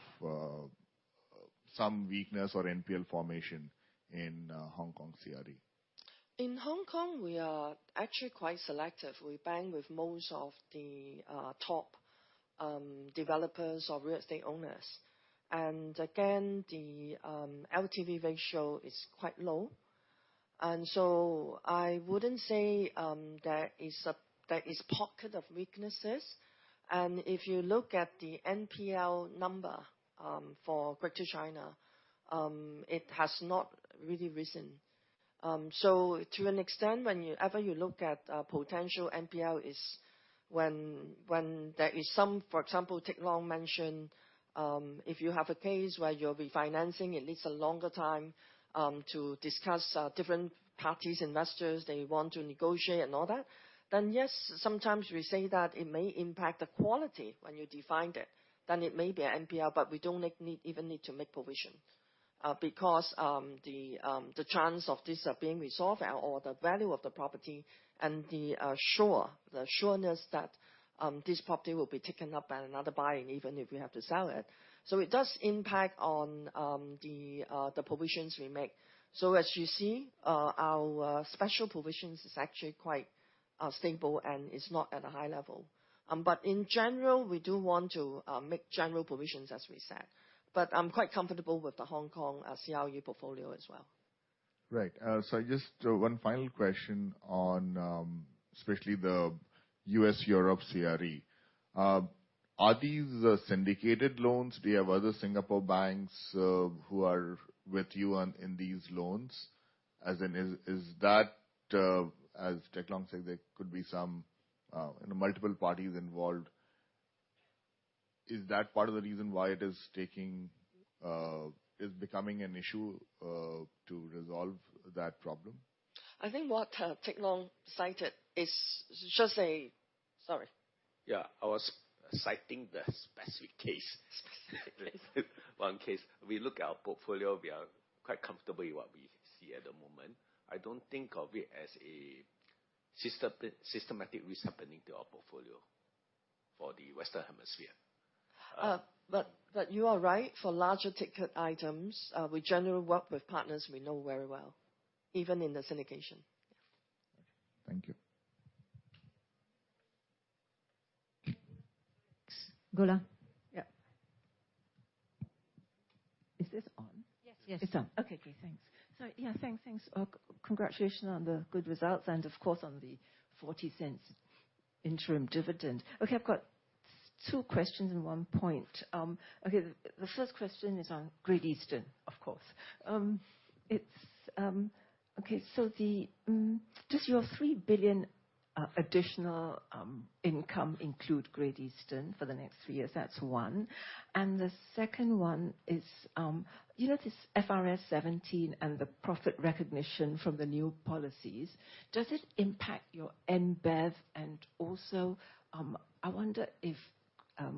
I: some weakness or NPL formation in Hong Kong CRE?
C: In Hong Kong, we are actually quite selective. We bank with most of the top developers or real estate owners. Again, the LTV ratio is quite low, so I wouldn't say there is a, there is pocket of weaknesses. If you look at the NPL number for Greater China, it has not really risen. To an extent, whenever you look at potential NPL is when, when there is some... For example, Teck Long mentioned, if you have a case where you're refinancing, it needs a longer time to discuss different parties, investors, they want to negotiate and all that, then yes, sometimes we say that it may impact the quality when you defined it, then it may be a NPL, but we don't even need to make provision. Because the the chance of this being resolved and all the value of the property and the sure- the sureness that this property will be taken up by another buyer, and even if we have to sell it. It does impact on the the provisions we make. As you see, our special provisions is actually quite stable, and it's not at a high level. In general, we do want to make general provisions, as we said. I'm quite comfortable with the Hong Kong CRE portfolio as well.
I: Right. Just one final question on, especially the U.S., Europe CRE. Are these syndicated loans? Do you have other Singapore banks, who are with you on, in these loans? As in, is, is that as Teck Long said, there could be some, you know, multiple parties involved. Is that part of the reason why it is taking is becoming an issue to resolve that problem?
C: I think what, Teck Long cited is just a... Sorry.
J: Yeah, I was citing the specific case, specifically one case. We look at our portfolio, we are quite comfortable with what we see at the moment. I don't think of it as a system, systematic risk happening to our portfolio for the Western Hemisphere.
C: You are right. For larger ticket items, we generally work with partners we know very well, even in the syndication.
I: Thank you.
C: Goh Chin Yee. Yeah.
K: Is this on?
C: Yes. Yes.
K: It's on. Okay, great. Thanks. Yeah, thanks, thanks. Congratulations on the good results and, of course, on the 0.40 interim dividend. Okay, I've got two questions and one point. Okay, the first question is on Great Eastern, of course. Does your 3 billion additional income include Great Eastern for the next three years? That's one. The second one is, you know, this FRS 17 and the profit recognition from the new policies, does it impact your NBEV? Also, I wonder if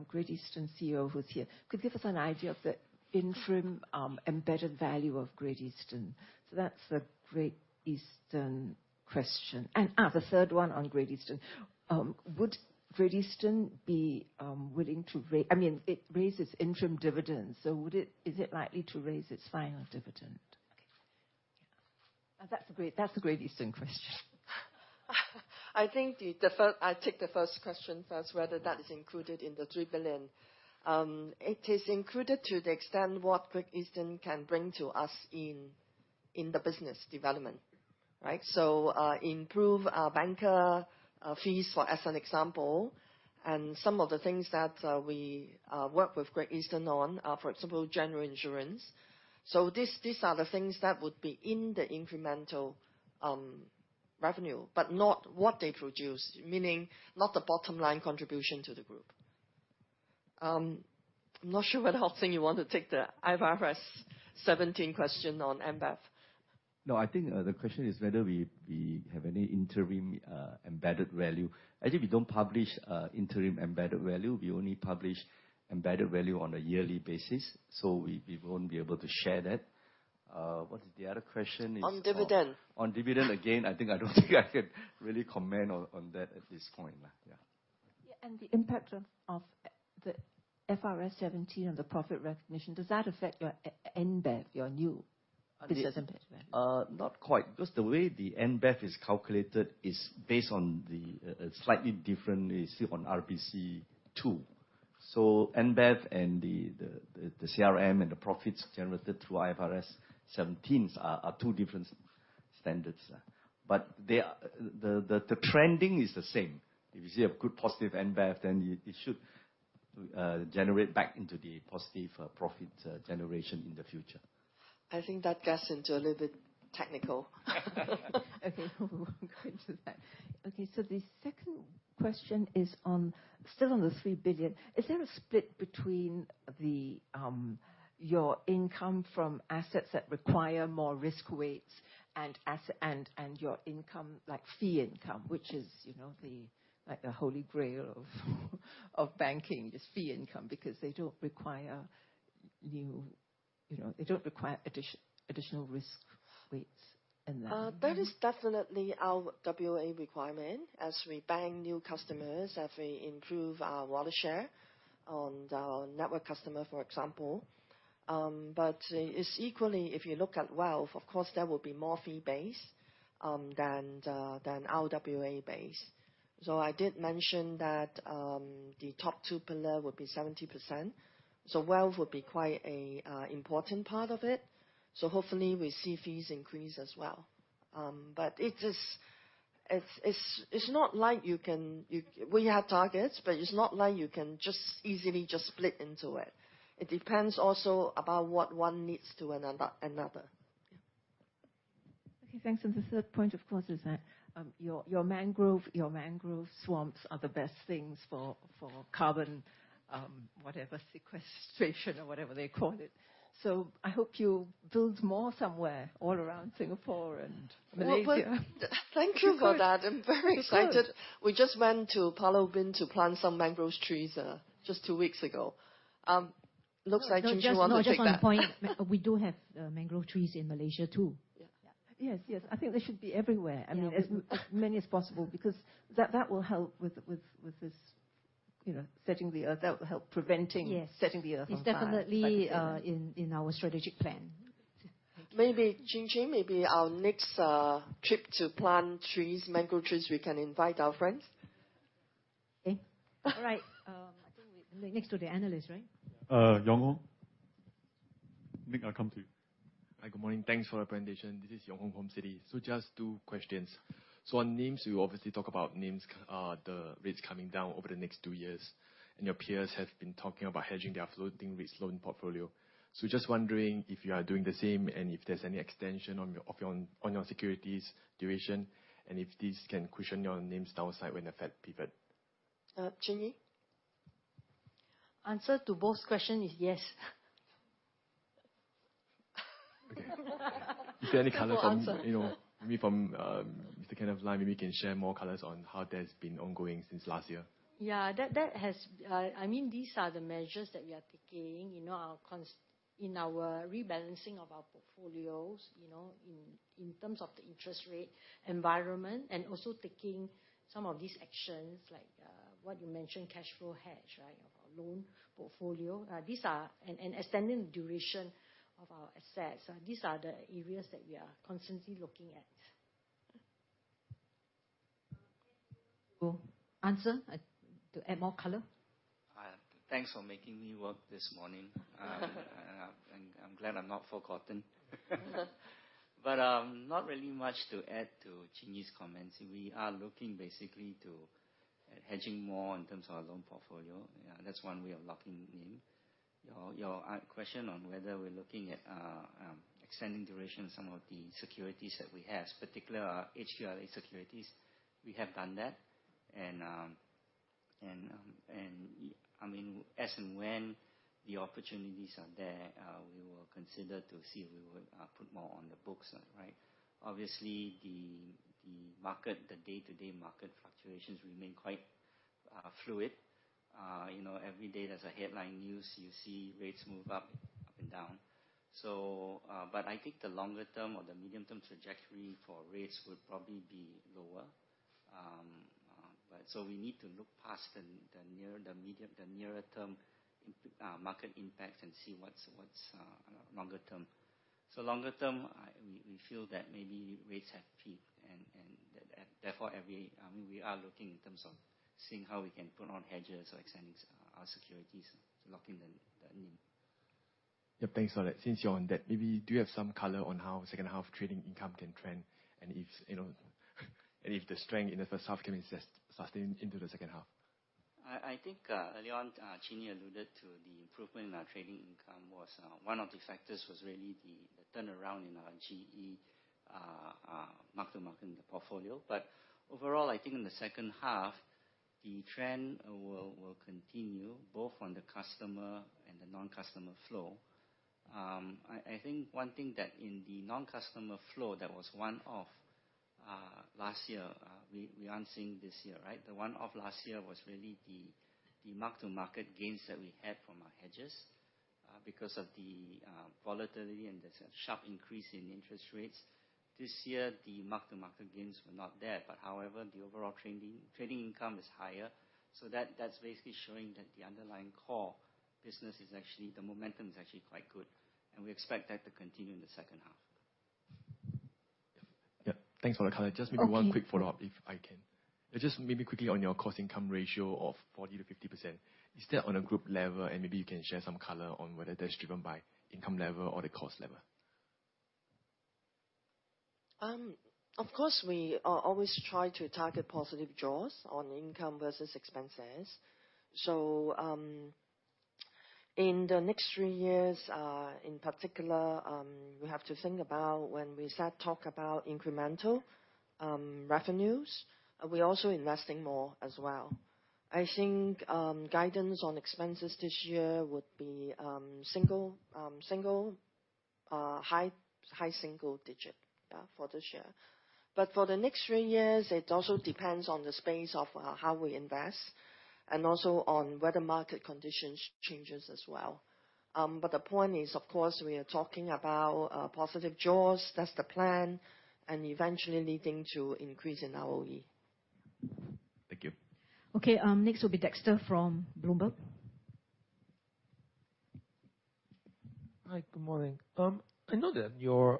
K: Great Eastern CEO, who's here, could give us an idea of the interim embedded value of Great Eastern. That's the Great Eastern question. The third one on Great Eastern. Would Great Eastern be, willing to I mean, it raises interim dividends, so is it likely to raise its final dividend?
C: Okay. That's the Great, that's the Great Eastern question. I think the, I'll take the first question first, whether that is included in the 3 billion. It is included to the extent what Great Eastern can bring to us in, in the business development, right? Improve our banker fees, for as an example, and some of the things that we work with Great Eastern on, for example, general insurance. These, these are the things that would be in the incremental revenue, but not what they produce, meaning not the bottom line contribution to the group. I'm not sure whether Hock Seng you want to take the IFRS 17 question on NBEV.
L: No, I think, the question is whether we, we have any interim, embedded value. Actually, we don't publish, interim embedded value. We only publish embedded value on a yearly basis, so we, we won't be able to share that. What is the other question?
C: On dividend.
L: On dividend, again, I don't think I can really comment on that at this point, yeah.
K: Yeah, the impact of the FRS 17 on the profit recognition, does that affect your NBEV, your new business embedded value?
L: Not quite, because the way the NBEV is calculated is based on the slightly different, is on RBC 2. NBEV and the CRM and the profits generated through IFRS seventeens are two different standards. The trending is the same. If you see a good positive NBEV, then it should generate back into the positive profit generation in the future.
C: I think that gets into a little bit technical.
K: Okay, we won't go into that. Okay, the second question is on, still on the $3 billion. Is there a split between the, your income from assets that require more risk weights and and your income, like, fee income, which is, you know, the, like, the holy grail of, of banking, this fee income, because they don't require, you know, they don't require additional risk weights in that?
C: That is definitely our RWA requirement as we bank new customers, as we improve our wallet share on the network customer, for example. It's equally, if you look at wealth, of course, there will be more fee base than the, than RWA base. I did mention that the top two pillar would be 70%, so wealth would be quite a important part of it. Hopefully, we see fees increase as well. It is, it's, it's, it's not like you can... We have targets, but it's not like you can just easily just split into it. It depends also about what one needs to another, another. Yeah.
K: Okay, thanks. The third point, of course, is that, your mangrove swamps are the best things for carbon, whatever, sequestration or whatever they call it. I hope you build more somewhere all around Singapore and Malaysia.
C: Thank you for that. I'm very excited.
K: Good.
C: We just went to Palawan to plant some mangroves trees, just two weeks ago. Looks like Chin Yee want to take that.
B: No, just on point, we do have mangrove trees in Malaysia, too.
K: Yeah....
B: Yes, yes, I think they should be everywhere.
C: Yeah.
B: I mean, as many as possible, because that, that will help with, with, with this, you know, setting the earth. That will help preventing.
C: Yes. Setting the earth on fire.
B: It's definitely, in, in our strategic plan.
K: Thank you.
C: Maybe Chin Yee, maybe our next trip to plant trees, mango trees, we can invite our friends?
B: Eh? All right. I think we- next to the analyst, right?
E: Yong Ong. Nick, I'll come to you.
M: Hi, good morning. Thanks for the presentation. This is Yong Ong from Citi. Just two questions. On NIMs, you obviously talk about NIMs, the rates coming down over the next two years, and your peers have been talking about hedging their floating rate loan portfolio. Just wondering if you are doing the same, and if there's any extension on your, of your own, on your securities duration, and if this can cushion your NIMs downside when the Fed pivot?
C: Chin Yee?
B: Answer to both question is yes.
M: Okay. Is there any color from-
B: Full answer.
M: You know, maybe from, Mr. Kenneth Lim, maybe you can share more colors on how that's been ongoing since last year.
B: Yeah, that, that has... I mean, these are the measures that we are taking in our rebalancing of our portfolios, you know, in, in terms of the interest rate environment, and also taking some of these actions, like, what you mentioned, cash flow hedge, right, or loan portfolio, and extending the duration of our assets. These are the areas that we are constantly looking at.
A: [Anson], to add more color?
N: Hi. Thanks for making me work this morning. I'm, I'm glad I'm not forgotten. But, not really much to add to Goh Chin Yee's comments. We are looking basically to hedging more in terms of our loan portfolio. That's one way of locking NIM. Your, your question on whether we're looking at, extending duration of some of the securities that we have, particular are HQLA securities. We have done that, I mean, as and when the opportunities are there, we will consider to see if we would, put more on the books, right? Obviously, the, the market, the day-to-day market fluctuations remain quite fluid. You know, every day there's a headline news, you see rates move up, up and down. I think the longer term or the medium term trajectory for rates will probably be lower. We need to look past the near, the medium, the nearer term market impacts and see what's, what's longer term. Longer term, we feel that maybe rates have peaked and, therefore, we are looking in terms of seeing how we can put on hedges or extending our securities to lock in the, the NIM.
M: Yeah, thanks for that. Since you're on that, maybe do you have some color on how second half trading income can trend? If, you know, and if the strength in the first half can be sustained into the second half?
N: I, I think, early on, Chin Yee alluded to the improvement in our trading income was one of the factors was really the, the turnaround in our GE mark-to-market in the portfolio. Overall, I think in the second half, the trend will continue both on the customer and the non-customer flow. I, I think one thing that in the non-customer flow, that was one-off last year, we, we aren't seeing this year, right? The one-off last year was really the, the mark-to-market gains that we had from our hedges, because of the volatility and the sharp increase in interest rates. This year, the mark-to-market gains were not there, but however, the overall trending, trading income is higher. That, that's basically showing that the underlying core business is actually... The momentum is actually quite good, and we expect that to continue in the second half.
M: Yeah. Thanks for the color.
C: Okay.
M: Just maybe one quick follow-up, if I can. Just maybe quickly on your cost income ratio of 40%-50%, is that on a group level? Maybe you can share some color on whether that's driven by income level or the cost level?
C: Of course, we always try to target positive draws on income versus expenses. In the next three years, in particular, we have to think about when we start talk about incremental revenues, and we're also investing more as well. I think guidance on expenses this year would be single, high single digit for this year. But for the next three years, it also depends on the space of how we invest and also on whether market conditions changes as well. But the point is, of course, we are talking about positive draws, that's the plan, and eventually leading to increase in our OE.
M: Thank you.
A: Okay, next will be [Dexter] from Bloomberg.
O: Hi, good morning. I know that your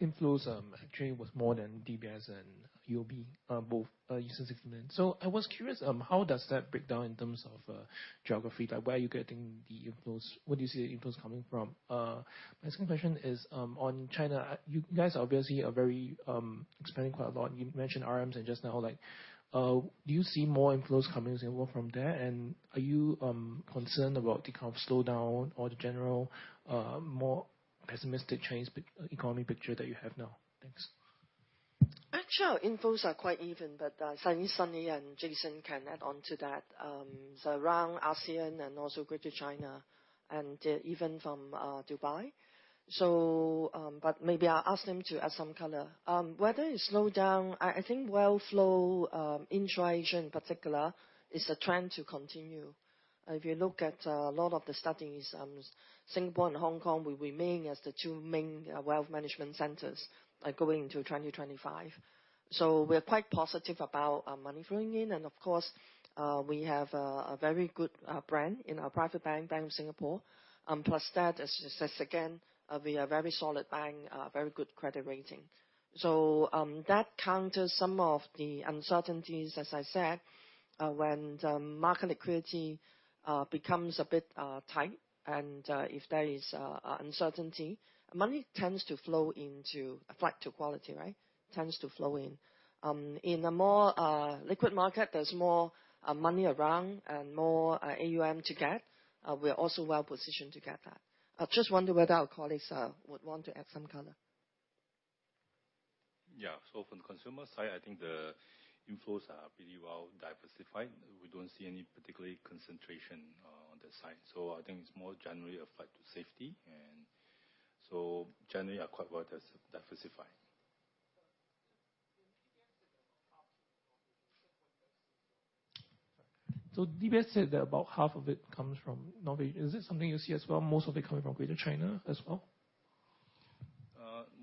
O: inflows actually was more than DBS and UOB, both using 60 million. I was curious, how does that break down in terms of geography? Like, where are you getting the inflows? Where do you see the inflows coming from? My second question is on China. You guys obviously are very... expanding quite a lot. You mentioned RMs and just now, like, do you see more inflows coming in more from there? Are you concerned about the kind of slowdown or the general, more pessimistic Chinese pic- economy picture that you have now? Thanks.
C: Actually, our inflows are quite even, but Sunny, Sunny and Jason can add on to that. Around ASEAN and also Greater China, and even from Dubai. Maybe I'll ask them to add some color. Whether it's slowed down, I, I think wealth flow, intra-Asia in particular, is a trend to continue. If you look at a lot of the studies, Singapore and Hong Kong will remain as the two main wealth management centers, like, going into 2025. We're quite positive about money flowing in, and of course, we have a very good brand in our private bank, Bank of Singapore. Plus that, as I said again, we are a very solid bank, very good credit rating. That counters some of the uncertainties, as I said, when the market liquidity becomes a bit tight. If there is a uncertainty, money tends to flow into a flight to quality, right? Tends to flow in. In a more liquid market, there's more money around and more AUM to get. We are also well positioned to get that. I just wonder whether our colleagues would want to add some color.
E: Yeah. From the consumer side, I think the inflows are pretty well diversified. We don't see any particularly concentration on that side. I think it's more generally a flight to safety, and so generally are quite well diversified.
O: DBS said that about half of it comes from nowhere. Is this something you see as well, most of it coming from Greater China as well?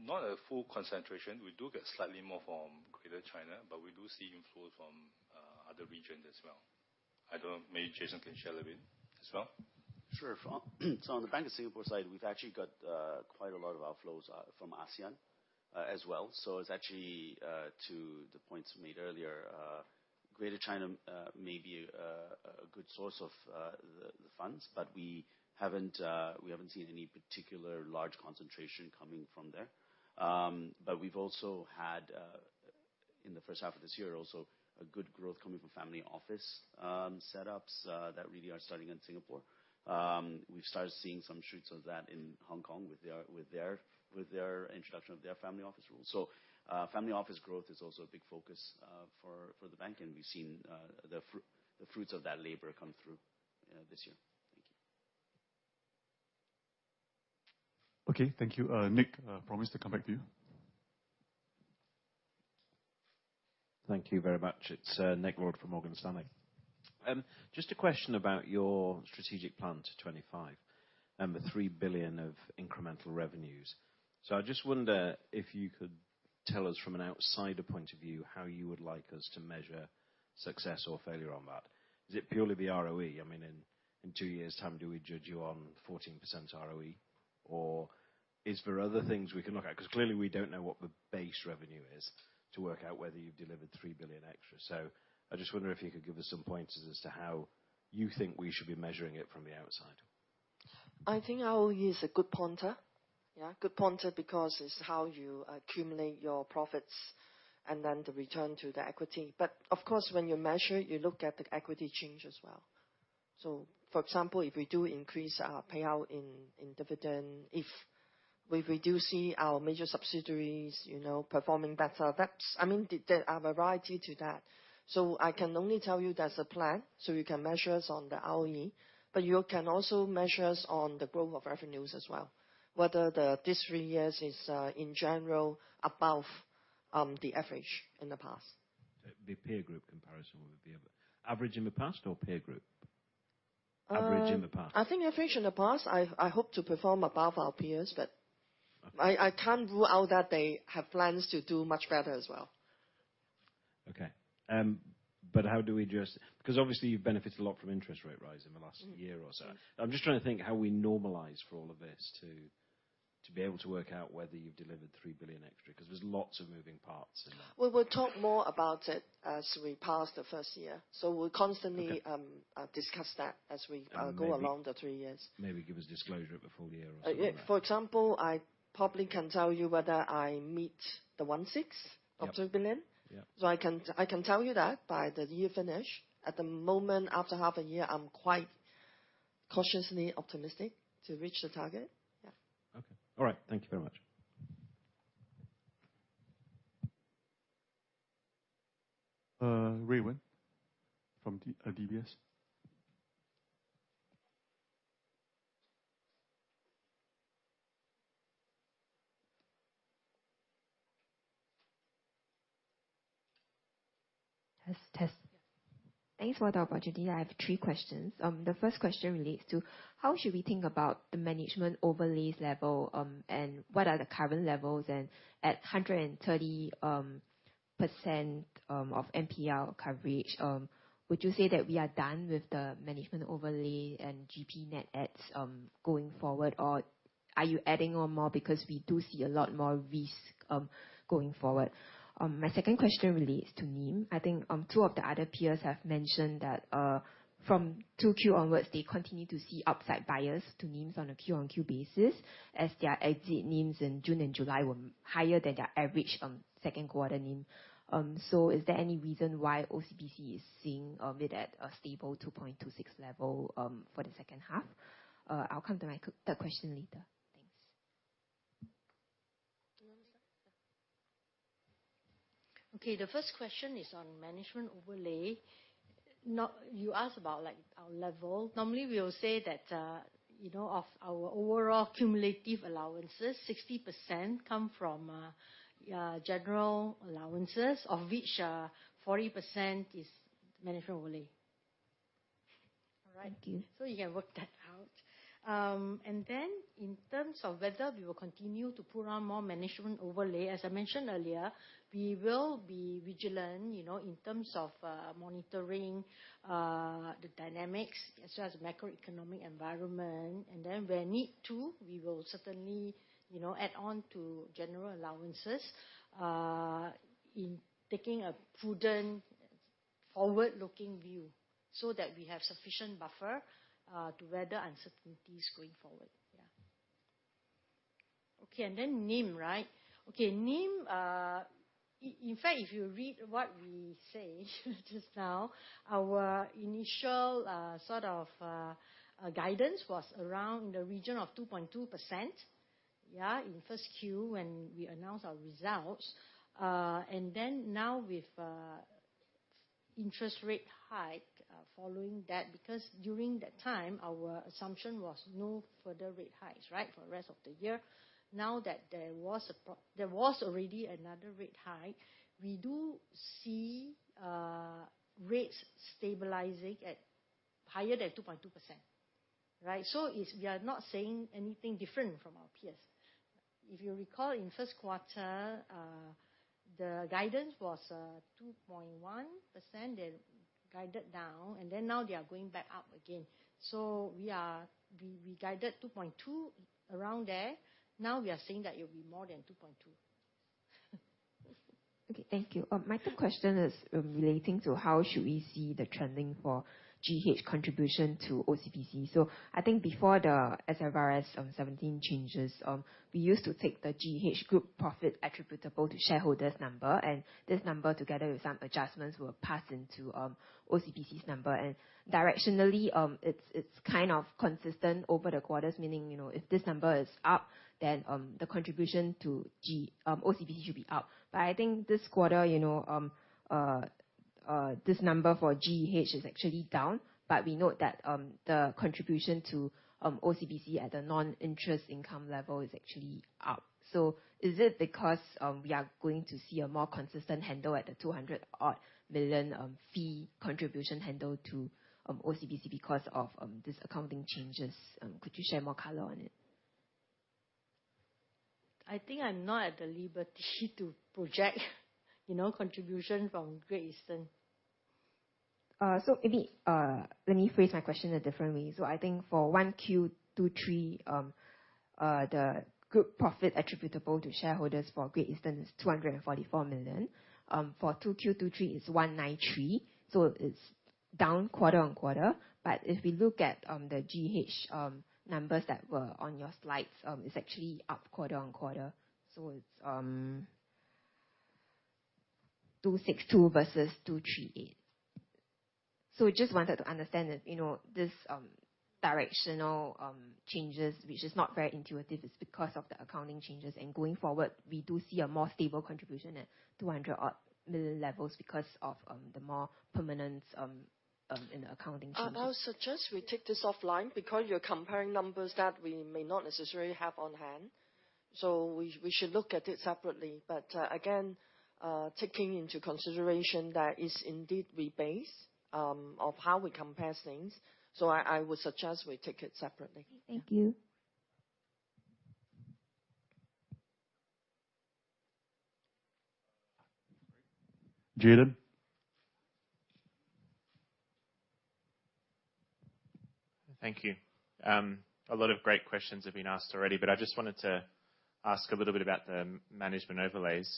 E: Not a full concentration. We do get slightly more from Greater China, but we do see inflow from other regions as well. I don't know, maybe Jason can share a bit as well.
F: Sure. On the Bank of Singapore side, we've actually got quite a lot of outflows from ASEAN as well. It's actually to the points made earlier, Greater China may be a good source of the funds, but we haven't we haven't seen any particular large concentration coming from there. But we've also had in the first half of this year, also a good growth coming from family office setups that really are starting in Singapore. We've started seeing some shoots of that in Hong Kong with their, with their, with their introduction of their family office rules. Family office growth is also a big focus for the bank, and we've seen the fruits of that labor come through this year. Thank you.
L: Okay, thank you. Nick, I promise to come back to you.
P: Thank you very much. It's Nick Lord from Morgan Stanley. Just a question about your strategic plan to 25 and the $3 billion of incremental revenues. I just wonder if you could tell us from an outsider point of view, how you would like us to measure success or failure on that? Is it purely the ROE? I mean, in, in two years time, do we judge you on 14% ROE, or is there other things we can look at? Because clearly, we don't know what the base revenue is to work out whether you've delivered $3 billion extra. I just wonder if you could give us some points as to how you think we should be measuring it from the outside.
C: I think I will use a good pointer. Yeah, good pointer, because it's how you accumulate your profits and then the return to the equity. Of course, when you measure, you look at the equity change as well. For example, if we do increase our payout in, in dividend, if we're reducing our major subsidiaries, you know, performing better, that's-- I mean, there are a variety to that. I can only tell you there's a plan, so you can measure us on the ROE, but you can also measure us on the growth of revenues as well, whether these three years is in general, above the average in the past.
P: The peer group comparison. Average in the past or peer group? Average in the past.
C: I think average in the past, I, I hope to perform above our peers.
P: Okay.
C: I, I can't rule out that they have plans to do much better as well.
P: Okay. How do we just-- Because obviously, you've benefited a lot from interest rate rise in the last year or so?
C: Mm-hmm.
P: I'm just trying to think how we normalize for all of this to, to be able to work out whether you've delivered 3 billion extra, because there's lots of moving parts in that.
C: We will talk more about it as we pass the first year.
P: Okay.
C: We'll constantly discuss that as we.
P: Maybe-
C: go along the three years.
P: Maybe give us disclosure at the full year or so on that.
C: Yeah. For example, I probably can tell you whether I meet the 16...
P: Yeah.
C: of 2 billion.
P: Yeah.
C: I can tell you that by the year finish. At the moment, after half a year, I'm quite cautiously optimistic to reach the target. Yeah.
P: Okay. All right. Thank you very much.
L: Rui Wen from DBS?
E: Test, test.
Q: Thanks for the opportunity. I have three questions. The first question relates to how should we think about the management overlays level, and what are the current levels? At 130% of NPL coverage, would you say that we are done with the management overlay and GP net adds going forward? Or are you adding on more? Because we do see a lot more risk going forward. My second question relates to NIM. I think two of the other peers have mentioned that from 2Q onwards, they continue to see upside buyers to NIMs on a Q-on-Q basis, as their exit NIMs in June and July were higher than their average second quarter NIM. Is there any reason why OCBC is seeing it at a stable 2.26 level for the second half? I'll come to my third question later.
B: Okay, the first question is on management overlay. you asked about, like, our level. Normally, we will say that, you know, of our overall cumulative allowances, 60% come from, general allowances, of which, 40% is management overlay. All right?
Q: Thank you.
B: You can work that out. In terms of whether we will continue to put on more management overlay, as I mentioned earlier, we will be vigilant, you know, in terms of monitoring the dynamics, as well as the macroeconomic environment. Where need to, we will certainly, you know, add on to general allowances, in taking a prudent, forward-looking view, so that we have sufficient buffer to weather uncertainties going forward. Yeah. NIM, right? NIM, in fact, if you read what we said just now, our initial sort of guidance was around the region of 2.2%, in first Q, when we announced our results. Now with interest rate hike, following that, because during that time, our assumption was no further rate hikes, right, for the rest of the year. Now that there was already another rate hike, we do see rates stabilizing at higher than 2.2%, right? It's, we are not saying anything different from our peers. If you recall, in first quarter, the guidance was 2.1%, then guided down, then now they are going back up again. We, we guided 2.2 around there. Now we are saying that it will be more than 2.2.
Q: Okay, thank you. My third question is relating to how should we see the trending for GEH contribution to OCBC? I think before the SFRS 17 changes, we used to take the GEH group profit attributable to shareholders number. This number, together with some adjustments, were passed into OCBC's number. Directionally, it's kind of consistent over the quarters, meaning, you know, if this number is up, then the contribution to OCBC should be up. I think this quarter, you know, this number for GEH is actually down. We note that the contribution to OCBC at the non-interest income level is actually up. Is it because we are going to see a more consistent handle at the 200 odd million fee contribution handle to OCBC because of this accounting changes? Could you share more color on it?
B: I think I'm not at the liberty to project, you know, contribution from Great Eastern.
Q: Maybe, let me phrase my question a different way. I think for 1Q 2023, the group profit attributable to shareholders for Great Eastern is 244 million. For 2Q 2023, it's 193 million, so it's down quarter-on-quarter. If we look at the GEH numbers that were on your slides, it's actually up quarter-on-quarter, so it's 262 million versus 238 million. Just wanted to understand that, you know, this directional changes, which is not very intuitive, it's because of the accounting changes, and going forward, we do see a more stable contribution at 200 million levels because of the more permanent in the accounting changes.
B: I'll suggest we take this offline because you're comparing numbers that we may not necessarily have on hand. We, we should look at it separately. Again, taking into consideration that is indeed rebase, of how we compare things, so I, I would suggest we take it separately.
Q: Thank you.
A: [Julian?]
R: Thank you. A lot of great questions have been asked already, but I just wanted to ask a little bit about the m-management overlays.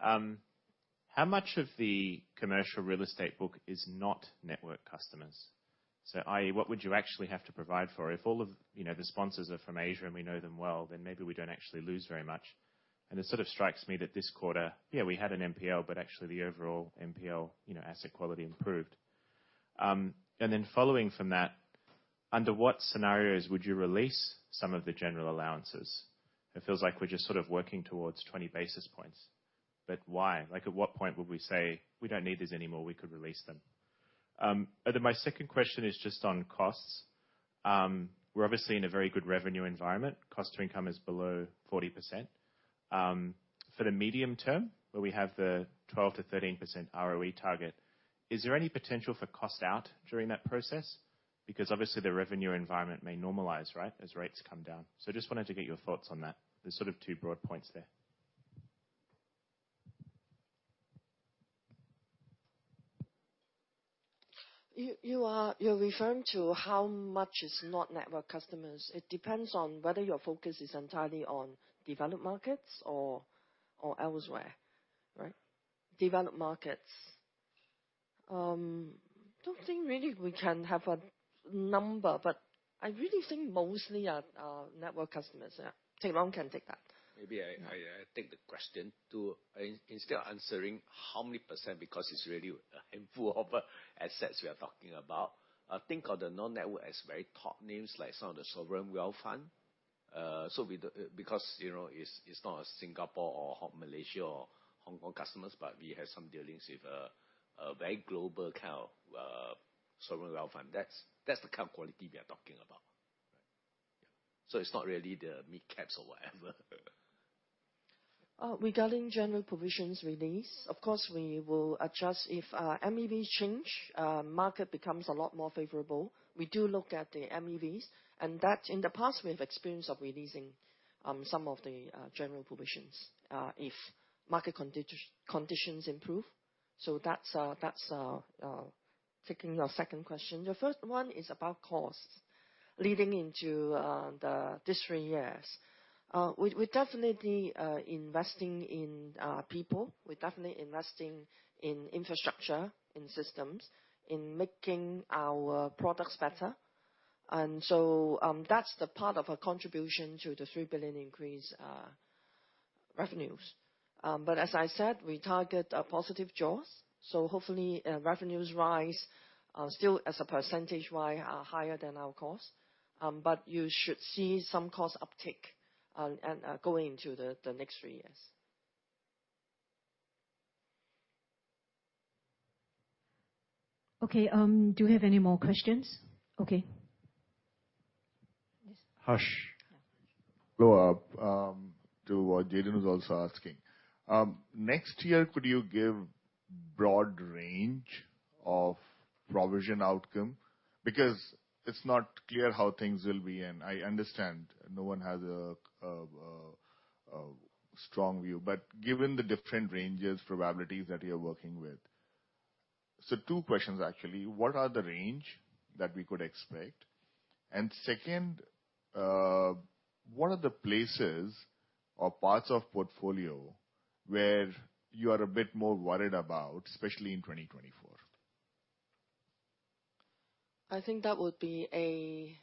R: How much of the commercial real estate book is not network customers? I.e., what would you actually have to provide for? If all of, you know, the sponsors are from Asia, and we know them well, then maybe we don't actually lose very much. It sort of strikes me that this quarter, yeah, we had an NPL, but actually, the overall NPL, you know, asset quality improved. Following from that, under what scenarios would you release some of the general allowances? It feels like we're just sort of working towards 20 basis points, but why? Like, at what point would we say, "We don't need these anymore. We could release them. My second question is just on costs. We're obviously in a very good revenue environment. Cost to income is below 40%. For the medium term, where we have the 12%-13% ROE target, is there any potential for cost out during that process? Because obviously, the revenue environment may normalize, right, as rates come down. Just wanted to get your thoughts on that. There's sort of two broad points there.
C: You're referring to how much is not network customers. It depends on whether your focus is entirely on developed markets or, or elsewhere, right? Developed markets, don't think really we can have a number, but I really think mostly are, are network customers. Yeah. Teck Long can take that.
J: Maybe I, I, take the question to, instead of answering how many percent, because it's really a handful of assets we are talking about. Think of the non-network as very top names, like some of the sovereign wealth fund. Because, you know, it's, it's not a Singapore or Malaysia or Hong Kong customers, but we have some dealings with, a very global kind of, sovereign wealth fund. That's, that's the kind of quality we are talking about. It's not really the mid caps or whatever.
C: Regarding general provisions release, of course, we will adjust if MEV change, market becomes a lot more favorable. We do look at the MEVs, and that in the past, we've experience of releasing some of the general provisions, if market conditions improve. That's our, that's our, taking the second question. The first one is about cost. Leading into the this three years. We, we're definitely investing in people. We're definitely investing in infrastructure, in systems, in making our products better. That's the part of a contribution to the 3 billion increase revenues. As I said, we target a positive jaws, so hopefully, revenues rise, still as a percentage-wise, higher than our cost. You should see some cost uptick, and going into the next three years.
A: Okay, do you have any more questions? Okay. Yes.
L: Harsh.
I: Go to what [Jayden] was also asking. Next year, could you give broad range of provision outcome? Because it's not clear how things will be, and I understand no one has a, a, a, a strong view. Given the different ranges, probabilities that you're working with. Two questions, actually. What are the range that we could expect? Second, what are the places or parts of portfolio where you are a bit more worried about, especially in 2024?
C: I think that would be a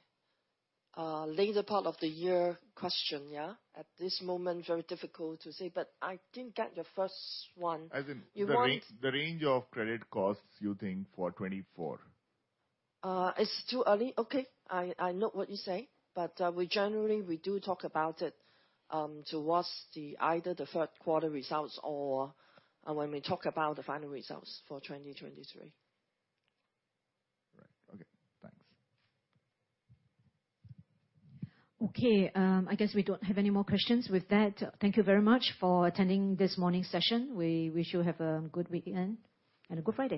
C: later part of the year question, yeah? At this moment, very difficult to say, but I didn't get your first one.
I: As
C: You want-
I: The range, the range of credit costs, you think, for 2024?
C: It's too early. Okay, I, I know what you say, but, we generally, we do talk about it, towards the either the third quarter results or, when we talk about the final results for 2023.
I: Right. Okay, thanks.
A: Okay, I guess we don't have any more questions. With that, thank you very much for attending this morning's session. We wish you have a good weekend and a good Friday.